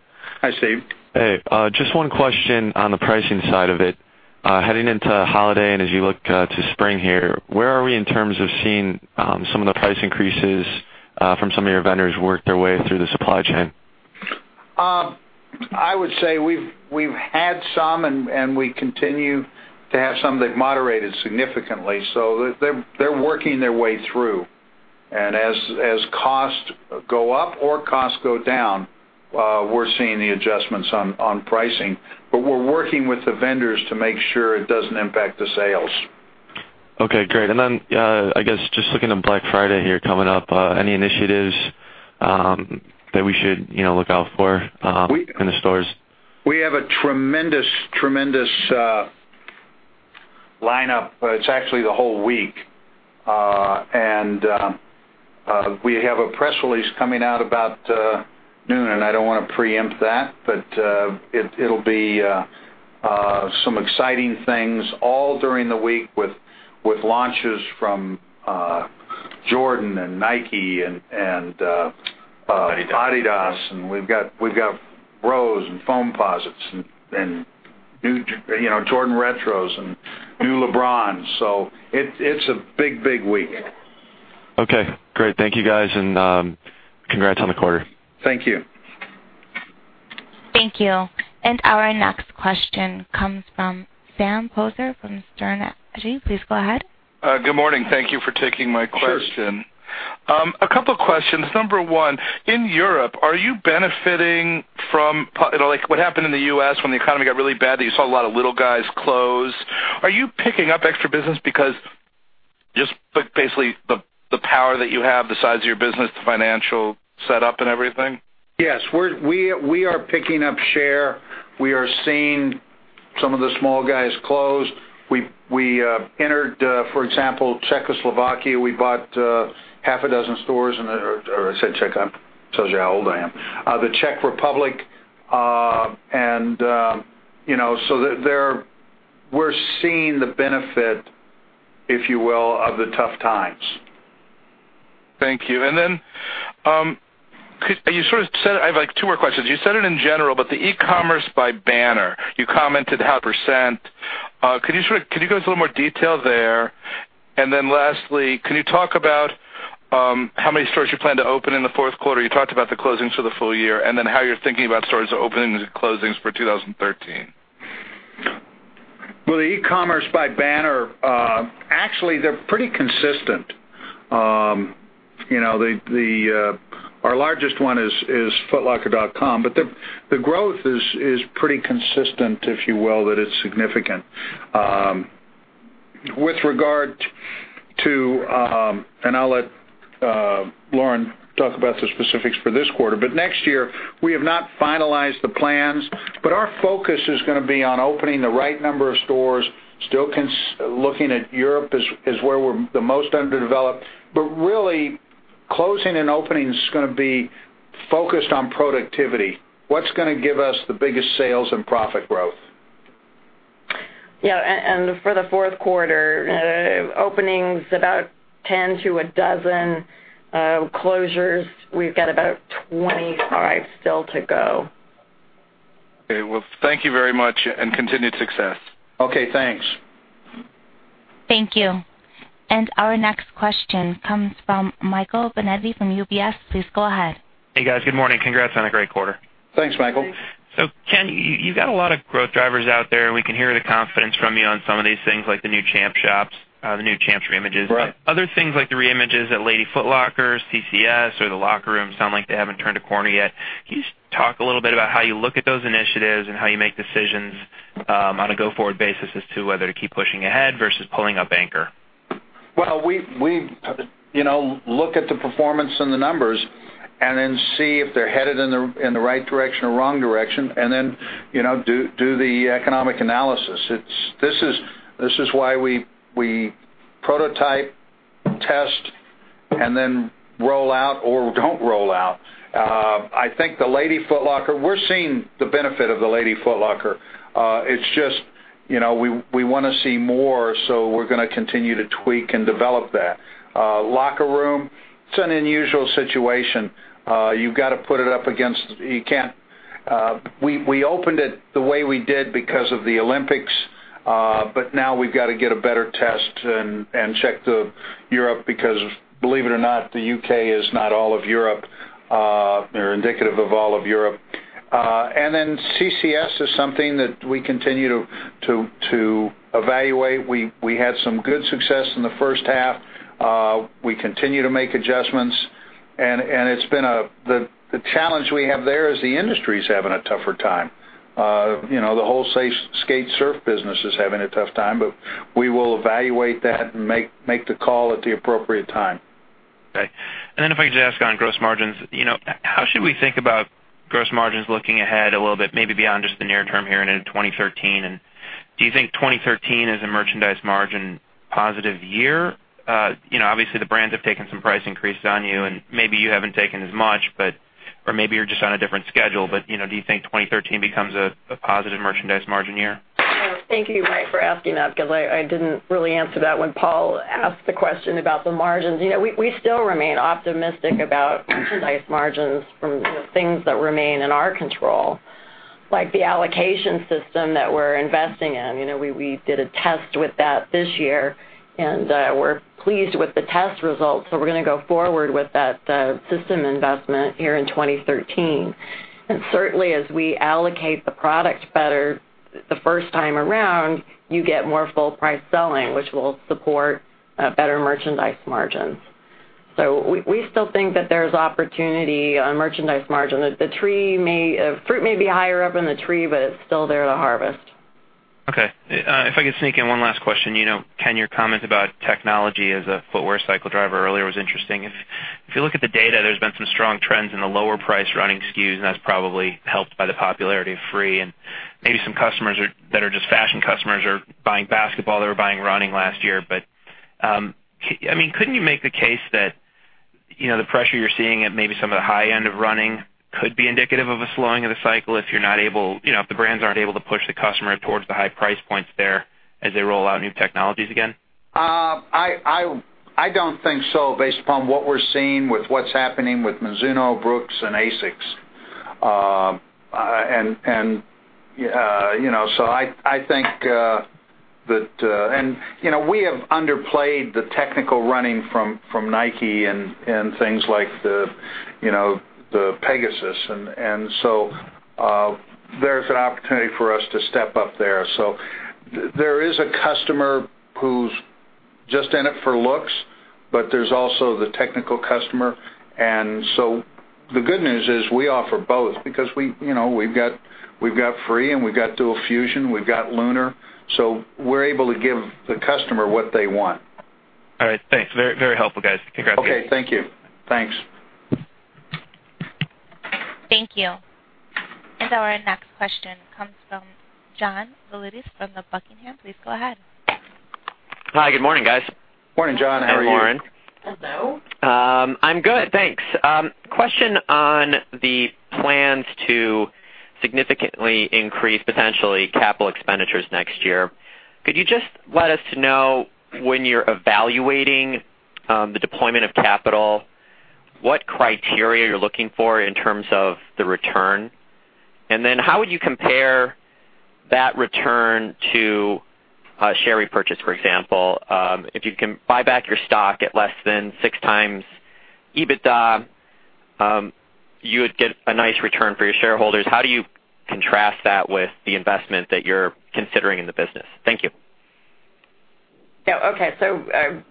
Hi, Steve. Hey. Just one question on the pricing side of it. Heading into holiday, and as you look to spring here, where are we in terms of seeing some of the price increases from some of your vendors work their way through the supply chain? I would say we've had some, and we continue to have some that moderated significantly. They're working their way through. As costs go up or costs go down, we're seeing the adjustments on pricing. We're working with the vendors to make sure it doesn't impact the sales. Okay, great. Then, I guess just looking at Black Friday here coming up, any initiatives that we should look out for in the stores? We have a tremendous lineup. It's actually the whole week. We have a press release coming out about noon, and I don't want to preempt that, but it'll be some exciting things all during the week with launches from Jordan and Nike. Adidas Adidas. We've got Roshe and Foamposite and new Jordan Retros and new LeBrons. It's a big week. Okay, great. Thank you, guys, and congrats on the quarter. Thank you. Thank you. Our next question comes from Sam Poser from Sterne Agee. Please go ahead. Good morning. Thank you for taking my question. Sure. A couple questions. Number one, in Europe, are you benefiting from like what happened in the U.S. when the economy got really bad, that you saw a lot of little guys close. Are you picking up extra business because, just basically the power that you have, the size of your business, the financial setup and everything? Yes. We are picking up share. We are seeing some of the small guys close. We entered, for example, Czechoslovakia. We bought half a dozen stores in the Or I said Czech, tells you how old I am. The Czech Republic. We're seeing the benefit, if you will, of the tough times. Thank you. I have two more questions. You said it in general, but the e-commerce by banner, you commented 0.5%. Can you go into a little more detail there? Lastly, can you talk about how many stores you plan to open in the fourth quarter? You talked about the closings for the full year, then how you're thinking about stores openings and closings for 2013. Well, the e-commerce by banner, actually, they're pretty consistent. Our largest one is footlocker.com, the growth is pretty consistent, if you will, that it's significant. With regard to, I'll let Lauren talk about the specifics for this quarter, next year, we have not finalized the plans, our focus is going to be on opening the right number of stores. Still looking at Europe as where we're the most underdeveloped, really, closing and opening is going to be focused on productivity. What's going to give us the biggest sales and profit growth. Yeah, for the fourth quarter, openings about 10 to a dozen. Closures, we've got about 25 still to go. Okay. Well, thank you very much. Continued success. Okay, thanks. Thank you. Our next question comes from Michael Binetti from UBS. Please go ahead. Hey, guys. Good morning. Congrats on a great quarter. Thanks, Michael. Ken, you've got a lot of growth drivers out there. We can hear the confidence from you on some of these things, like the new Champs shops, the new Champs reimages. Right. Other things like the reimages at Lady Foot Locker, CCS, or the Locker Room sound like they haven't turned a corner yet. Can you just talk a little bit about how you look at those initiatives and how you make decisions on a go-forward basis as to whether to keep pushing ahead versus pulling up anchor? We look at the performance and the numbers and then see if they're headed in the right direction or wrong direction and then do the economic analysis. This is why we prototype, test, and then roll out or don't roll out. I think the Lady Foot Locker, we're seeing the benefit of the Lady Foot Locker. It's just, we want to see more, so we're going to continue to tweak and develop that. Locker Room, it's an unusual situation. You've got to put it up against We opened it the way we did because of the Olympics. But now we've got to get a better test and check the Europe because believe it or not, the U.K. is not all of Europe. They're indicative of all of Europe. CCS is something that we continue to evaluate. We had some good success in the first half. We continue to make adjustments. The challenge we have there is the industry's having a tougher time. The whole skate/surf business is having a tough time, we will evaluate that and make the call at the appropriate time. Okay. If I could just ask on gross margins, how should we think about gross margins looking ahead a little bit, maybe beyond just the near term here and into 2013? Do you think 2013 is a merchandise margin positive year? Obviously, the brands have taken some price increases on you, maybe you haven't taken as much, or maybe you're just on a different schedule. Do you think 2013 becomes a positive merchandise margin year? Thank you, Mike, for asking that because I didn't really answer that when Paul asked the question about the margins. We still remain optimistic about merchandise margins from things that remain in our control, like the allocation system that we're investing in. We did a test with that this year, we're pleased with the test results, we're going to go forward with that system investment here in 2013. Certainly as we allocate the product better the first time around, you get more full price selling, which will support better merchandise margins. We still think that there's opportunity on merchandise margin. The fruit may be higher up in the tree, but it's still there to harvest. Okay. If I could sneak in one last question. Ken, your comment about technology as a footwear cycle driver earlier was interesting. If you look at the data, there's been some strong trends in the lower price running SKUs, that's probably helped by the popularity of Free. Maybe some customers that are just fashion customers are buying basketball that were buying running last year. Couldn't you make the case that the pressure you're seeing at maybe some of the high end of running could be indicative of a slowing of the cycle if the brands aren't able to push the customer towards the high price points there as they roll out new technologies again? I don't think so based upon what we're seeing with what's happening with Mizuno, Brooks, and ASICS. We have underplayed the technical running from Nike and things like the Pegasus. There's an opportunity for us to step up there. There is a customer who's just in it for looks, but there's also the technical customer. The good news is we offer both because we've got Free, and we've got Dual Fusion, we've got Lunar, so we're able to give the customer what they want. All right, thanks. Very helpful, guys. Congrats. Okay, thank you. Thanks. Thank you. Our next question comes from John Zolidis from the Buckingham. Please go ahead. Hi, good morning, guys. Morning, John. How are you? Lauren. Hello. I'm good, thanks. Question on the plans to significantly increase, potentially, capital expenditures next year. Could you just let us know when you're evaluating the deployment of capital, what criteria you're looking for in terms of the return? How would you compare that return to a share repurchase, for example? If you can buy back your stock at less than six times EBITDA, you would get a nice return for your shareholders. How do you contrast that with the investment that you're considering in the business? Thank you. Okay.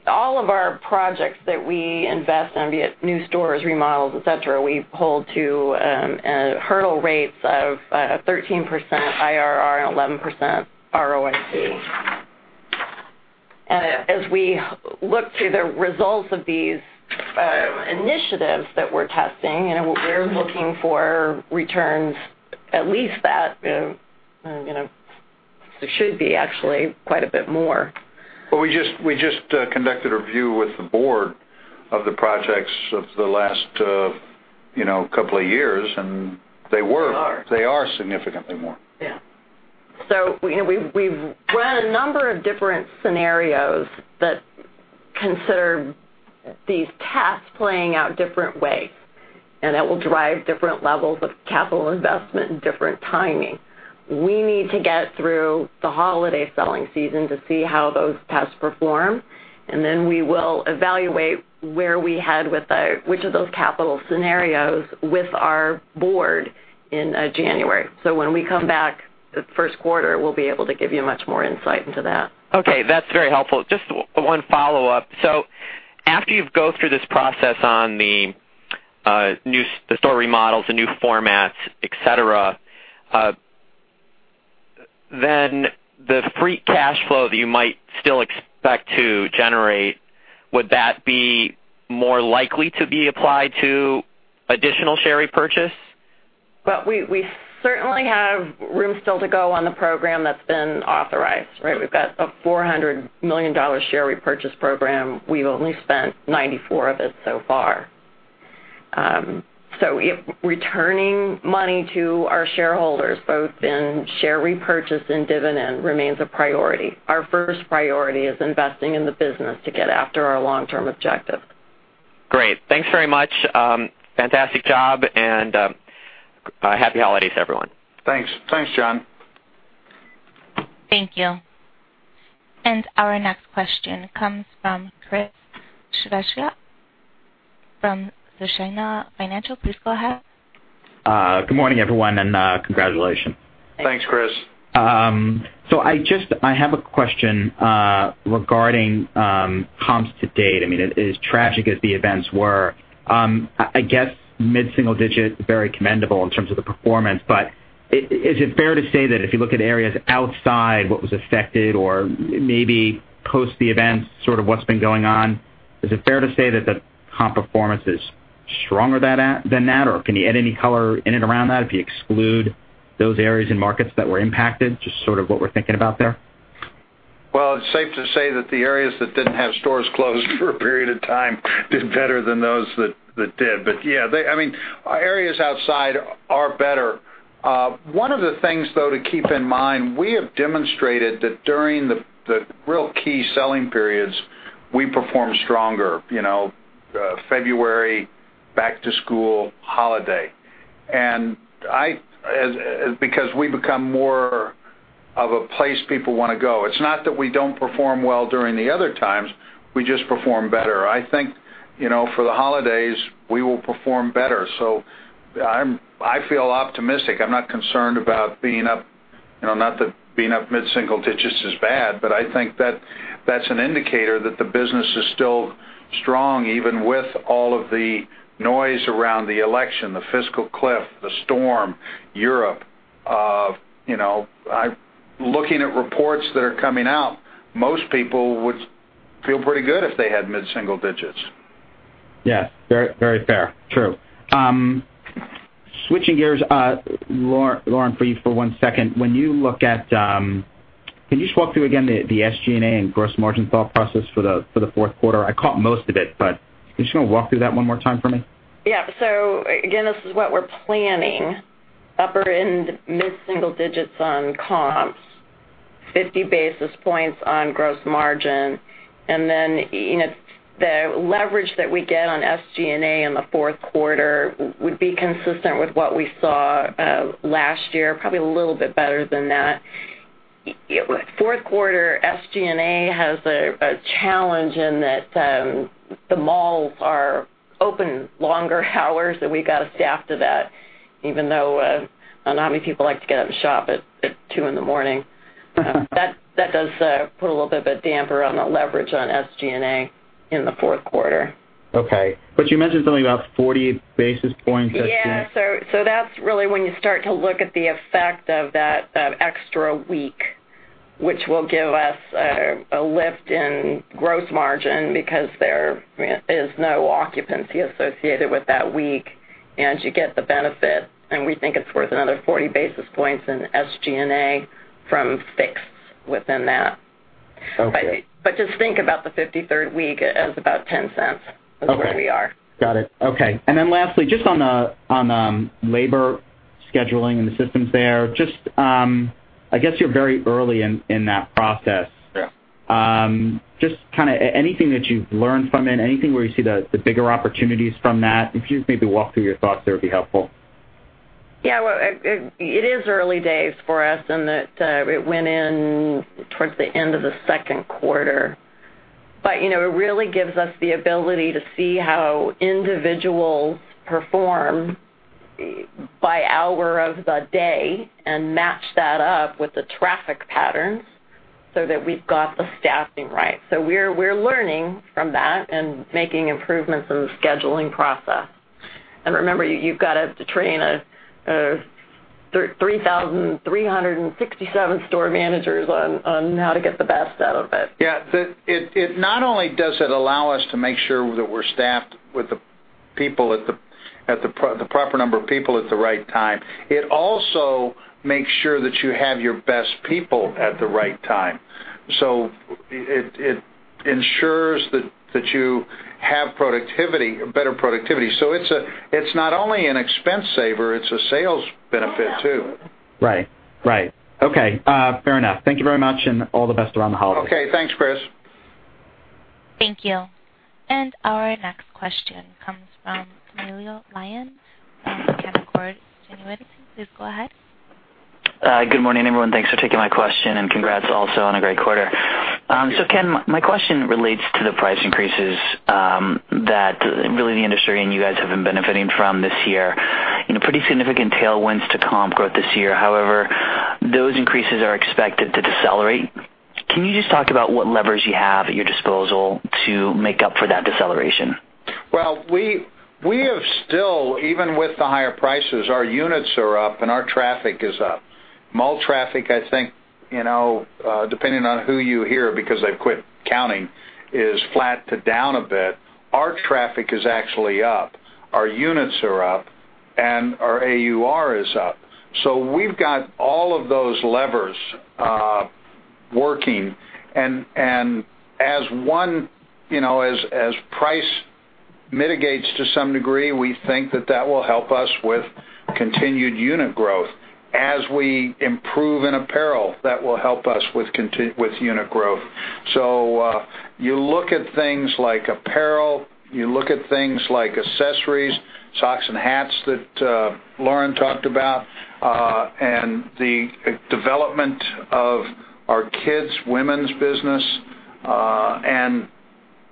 All of our projects that we invest in, be it new stores, remodels, et cetera, we hold to hurdle rates of 13% IRR and 11% ROIC. As we look to the results of these initiatives that we're testing, we're looking for returns at least that. They should be, actually, quite a bit more. Well, we just conducted a review with the board of the projects of the last couple of years, and they were. They are. They are significantly more. Yeah. We've run a number of different scenarios that consider these tests playing out different ways, and that will drive different levels of capital investment and different timing. We need to get through the holiday selling season to see how those tests perform, and then we will evaluate where we head with which of those capital scenarios with our board in January. When we come back the first quarter, we'll be able to give you much more insight into that. Okay, that's very helpful. Just one follow-up. After you go through this process on the store remodels, the new formats, et cetera, then the free cash flow that you might still expect to generate, would that be more likely to be applied to additional share repurchase? Well, we certainly have room still to go on the program that's been authorized. We've got a $400 million share repurchase program. We've only spent $94 of it so far. Returning money to our shareholders, both in share repurchase and dividend, remains a priority. Our first priority is investing in the business to get after our long-term objective. Great. Thanks very much. Fantastic job, and happy holidays, everyone. Thanks. Thanks, John. Thank you. Our next question comes from Chris Svezia from Susquehanna Financial. Please go ahead. Good morning, everyone, congratulations. Thanks, Chris. I have a question regarding comps to date. As tragic as the events were. mid-single-digit, very commendable in terms of the performance. Is it fair to say that if you look at areas outside what was affected or maybe post the events, sort of what's been going on, is it fair to say that the comp performance is stronger than that? Can you add any color in and around that if you exclude those areas and markets that were impacted? Just sort of what we're thinking about there. It's safe to say that the areas that didn't have stores closed for a period of time did better than those that did. Yeah, areas outside are better. One of the things though to keep in mind, we have demonstrated that during the real key selling periods, we perform stronger. February, back to school, holiday. We've become more of a place people want to go. It's not that we don't perform well during the other times, we just perform better. I think, for the holidays, we will perform better. I feel optimistic. I'm not concerned about being up, not that being up mid-single digits is bad, but I think that's an indicator that the business is still strong, even with all of the noise around the election, the fiscal cliff, the storm, Europe. Looking at reports that are coming out, most people would feel pretty good if they had mid-single digits. Yes. Very fair. True. Switching gears, Lauren, for you for one second. Can you just walk through again the SG&A and gross margin thought process for the fourth quarter? I caught most of it, but can you just walk through that one more time for me? Yeah. Again, this is what we're planning. Upper end mid-single digits on comps, 50 basis points on gross margin. Then the leverage that we get on SG&A in the fourth quarter would be consistent with what we saw last year, probably a little bit better than that. Fourth quarter SG&A has a challenge in that the malls are open longer hours, so we've got to staff to that, even though I don't know how many people like to get up and shop at 2:00 A.M. That does put a little bit of a damper on the leverage on SG&A in the fourth quarter. Okay. You mentioned something about 40 basis points SG&A. Yeah. That's really when you start to look at the effect of that extra week, which will give us a lift in gross margin because there is no occupancy associated with that week, and you get the benefit. We think it's worth another 40 basis points in SG&A from fixed within that. Okay. Just think about the 53rd week as about $0.10. Okay is where we are. Got it. Okay. Lastly, just on labor scheduling and the systems there, I guess you're very early in that process. Yeah. Just kind of anything that you've learned from it, anything where you see the bigger opportunities from that? If you just maybe walk through your thoughts there, it would be helpful. Yeah. Well, it is early days for us in that it went in towards the end of the second quarter. It really gives us the ability to see how individuals perform by hour of the day and match that up with the traffic patterns so that we've got the staffing right. We're learning from that and making improvements in the scheduling process. Remember, you've got to train 3,367 store managers on how to get the best out of it. Yeah. Not only does it allow us to make sure that we're staffed with the proper number of people at the right time, it also makes sure that you have your best people at the right time. It ensures that you have better productivity. It's not only an expense saver, it's a sales benefit too. Right. Okay. Fair enough. Thank you very much, and all the best around the holidays. Okay. Thanks, Chris. Thank you. Our next question comes from Camilo Lyon from Canaccord Genuity. Please go ahead. Good morning, everyone. Thanks for taking my question, and congrats also on a great quarter. Ken, my question relates to the price increases that really the industry and you guys have been benefiting from this year. Pretty significant tailwinds to comp growth this year. However, those increases are expected to decelerate. Can you just talk about what levers you have at your disposal to make up for that deceleration? Well, we have still, even with the higher prices, our units are up and our traffic is up. Mall traffic, I think, depending on who you hear, because they've quit counting, is flat to down a bit. Our traffic is actually up. Our units are up, and our AUR is up. We've got all of those levers working. As price mitigates to some degree, we think that that will help us with continued unit growth. As we improve in apparel, that will help us with unit growth. You look at things like apparel, you look at things like accessories, socks and hats that Lauren talked about, and the development of our kids' women's business.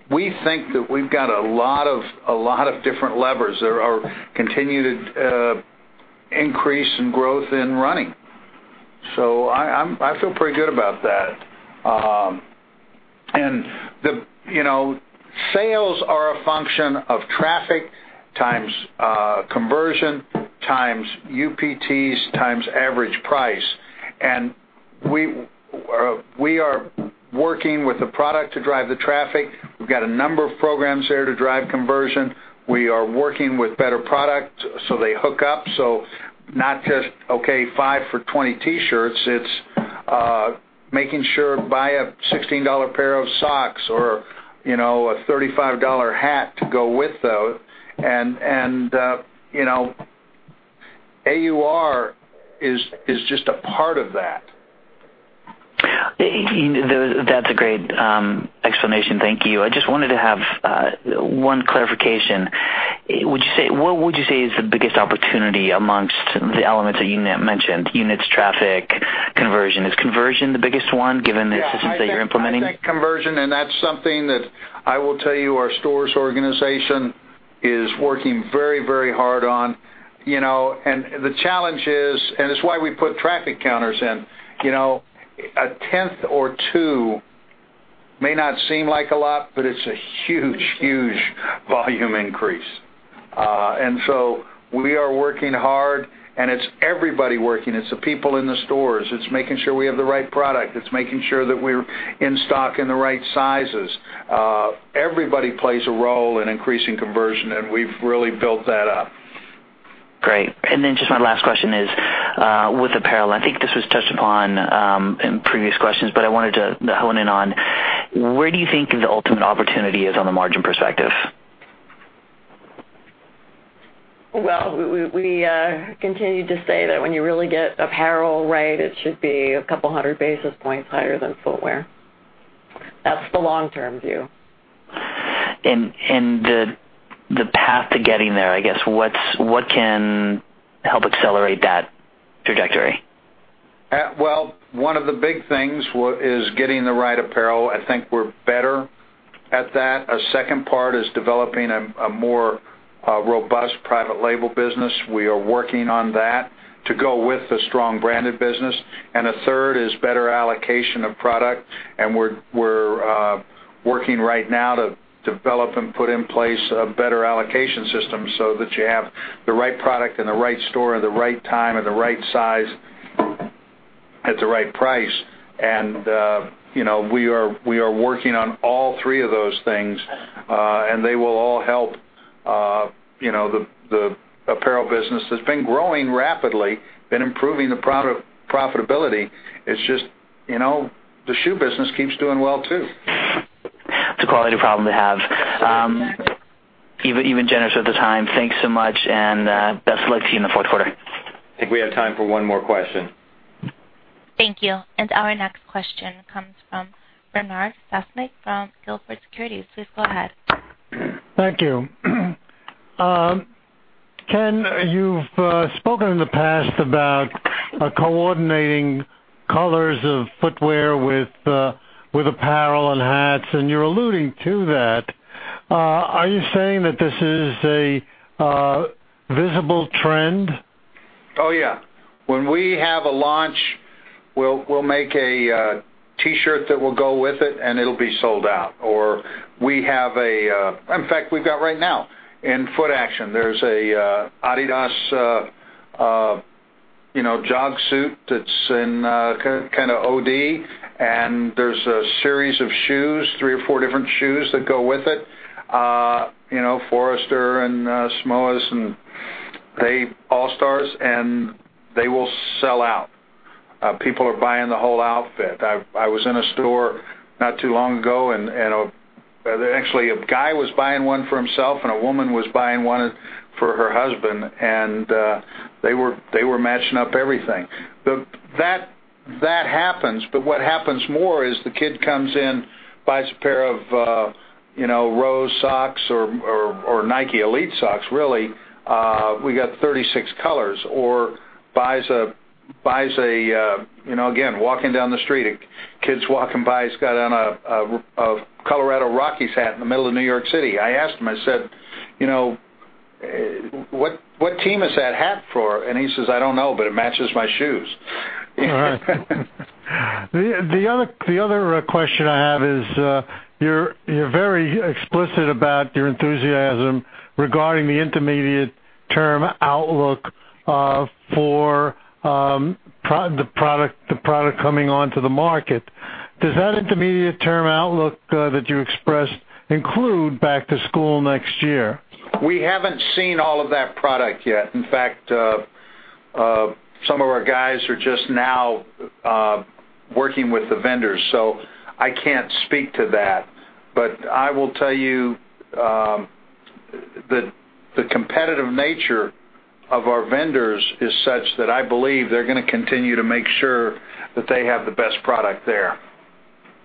We think that we've got a lot of different levers. There are continued increase in growth in running. I feel pretty good about that. Sales are a function of traffic times conversion times UPTs times average price. We are working with the product to drive the traffic. We've got a number of programs there to drive conversion. We are working with better product so they hook up. Not just, okay, five for 20 T-shirts, it's making sure, buy a $16 pair of socks or a $35 hat to go with those. AUR is just a part of that. That's a great explanation. Thank you. I just wanted to have one clarification. What would you say is the biggest opportunity amongst the elements that you mentioned, units, traffic, conversion? Is conversion the biggest one given the systems that you're implementing? Yeah. I think conversion, and that's something that I will tell you our stores organization is working very hard on. The challenge is, and it's why we put traffic counters in. A tenth or two may not seem like a lot, but it's a huge volume increase. We are working hard, and it's everybody working. It's the people in the stores. It's making sure we have the right product. It's making sure that we're in stock in the right sizes. Everybody plays a role in increasing conversion, and we've really built that up. Great. Just my last question is, with apparel, I think this was touched upon in previous questions, but I wanted to hone in on where do you think the ultimate opportunity is on the margin perspective? Well, we continue to say that when you really get apparel right, it should be a couple of hundred basis points higher than footwear. That's the long-term view. The path to getting there, I guess, what can help accelerate that trajectory? One of the big things is getting the right apparel. I think we're better at that. A second part is developing a more robust private label business. We are working on that to go with the strong branded business. A third is better allocation of product. We're working right now to develop and put in place a better allocation system so that you have the right product in the right store at the right time and the right size at the right price. We are working on all three of those things. They will all help the apparel business that's been growing rapidly, been improving the profitability. It's just the shoe business keeps doing well, too. It's a quality problem to have. Exactly. You've been generous with the time. Thanks so much, and best of luck to you in the fourth quarter. I think we have time for one more question. Thank you. Our next question comes from Bernard Sosnick from Gilford Securities. Please go ahead. Thank you. Ken, you've spoken in the past about coordinating colors of footwear with apparel and hats, and you're alluding to that. Are you saying that this is a visible trend? Oh, yeah. When we have a launch, we'll make a T-shirt that will go with it, and it'll be sold out. In fact, we've got right now in Footaction, there's an Adidas jog suit that's in kind of OD, and there's a series of shoes, three or four different shoes that go with it. Forum and Samoas and All Stars, and they will sell out. People are buying the whole outfit. I was in a store not too long ago, and actually, a guy was buying one for himself, and a woman was buying one for her husband, and they were matching up everything. That happens, but what happens more is the kid comes in, buys a pair of Rose socks or Nike Elite socks, really. We got 36 colors. Buys a, again, walking down the street, a kid's walking by, he's got on a Colorado Rockies hat in the middle of New York City. I asked him, I said, "What team is that hat for?" He says, "I don't know, but it matches my shoes. All right. The other question I have is, you're very explicit about your enthusiasm regarding the intermediate-term outlook for the product coming onto the market. Does that intermediate-term outlook that you expressed include back-to-school next year? We haven't seen all of that product yet. In fact, some of our guys are just now working with the vendors, so I can't speak to that. I will tell you the competitive nature of our vendors is such that I believe they're going to continue to make sure that they have the best product there.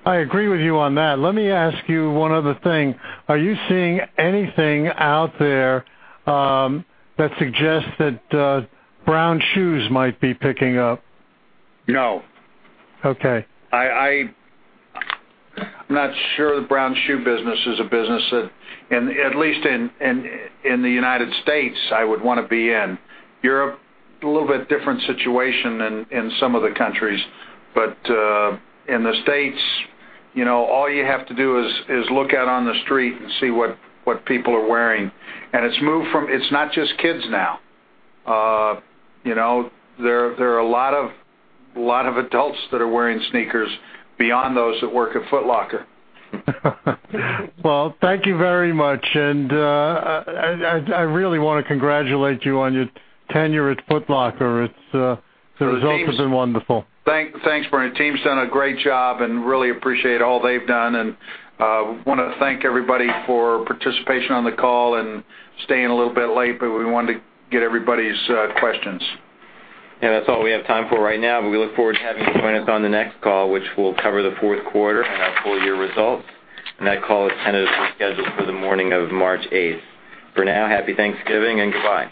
I agree with you on that. Let me ask you one other thing. Are you seeing anything out there that suggests that brown shoes might be picking up? No. Okay. I'm not sure the brown shoe business is a business that, at least in the U.S., I would want to be in. Europe, a little bit different situation in some of the countries. In the U.S., all you have to do is look out on the street and see what people are wearing. It's moved from, it's not just kids now. There are a lot of adults that are wearing sneakers beyond those that work at Foot Locker. Well, thank you very much. I really want to congratulate you on your tenure at Foot Locker. The results have been wonderful. Thanks, Bernard. Team's done a great job, and really appreciate all they've done. Want to thank everybody for participation on the call and staying a little bit late, we wanted to get everybody's questions. That's all we have time for right now. We look forward to having you join us on the next call, which will cover the fourth quarter and our full-year results. That call is tentatively scheduled for the morning of March 8th. For now, Happy Thanksgiving and goodbye.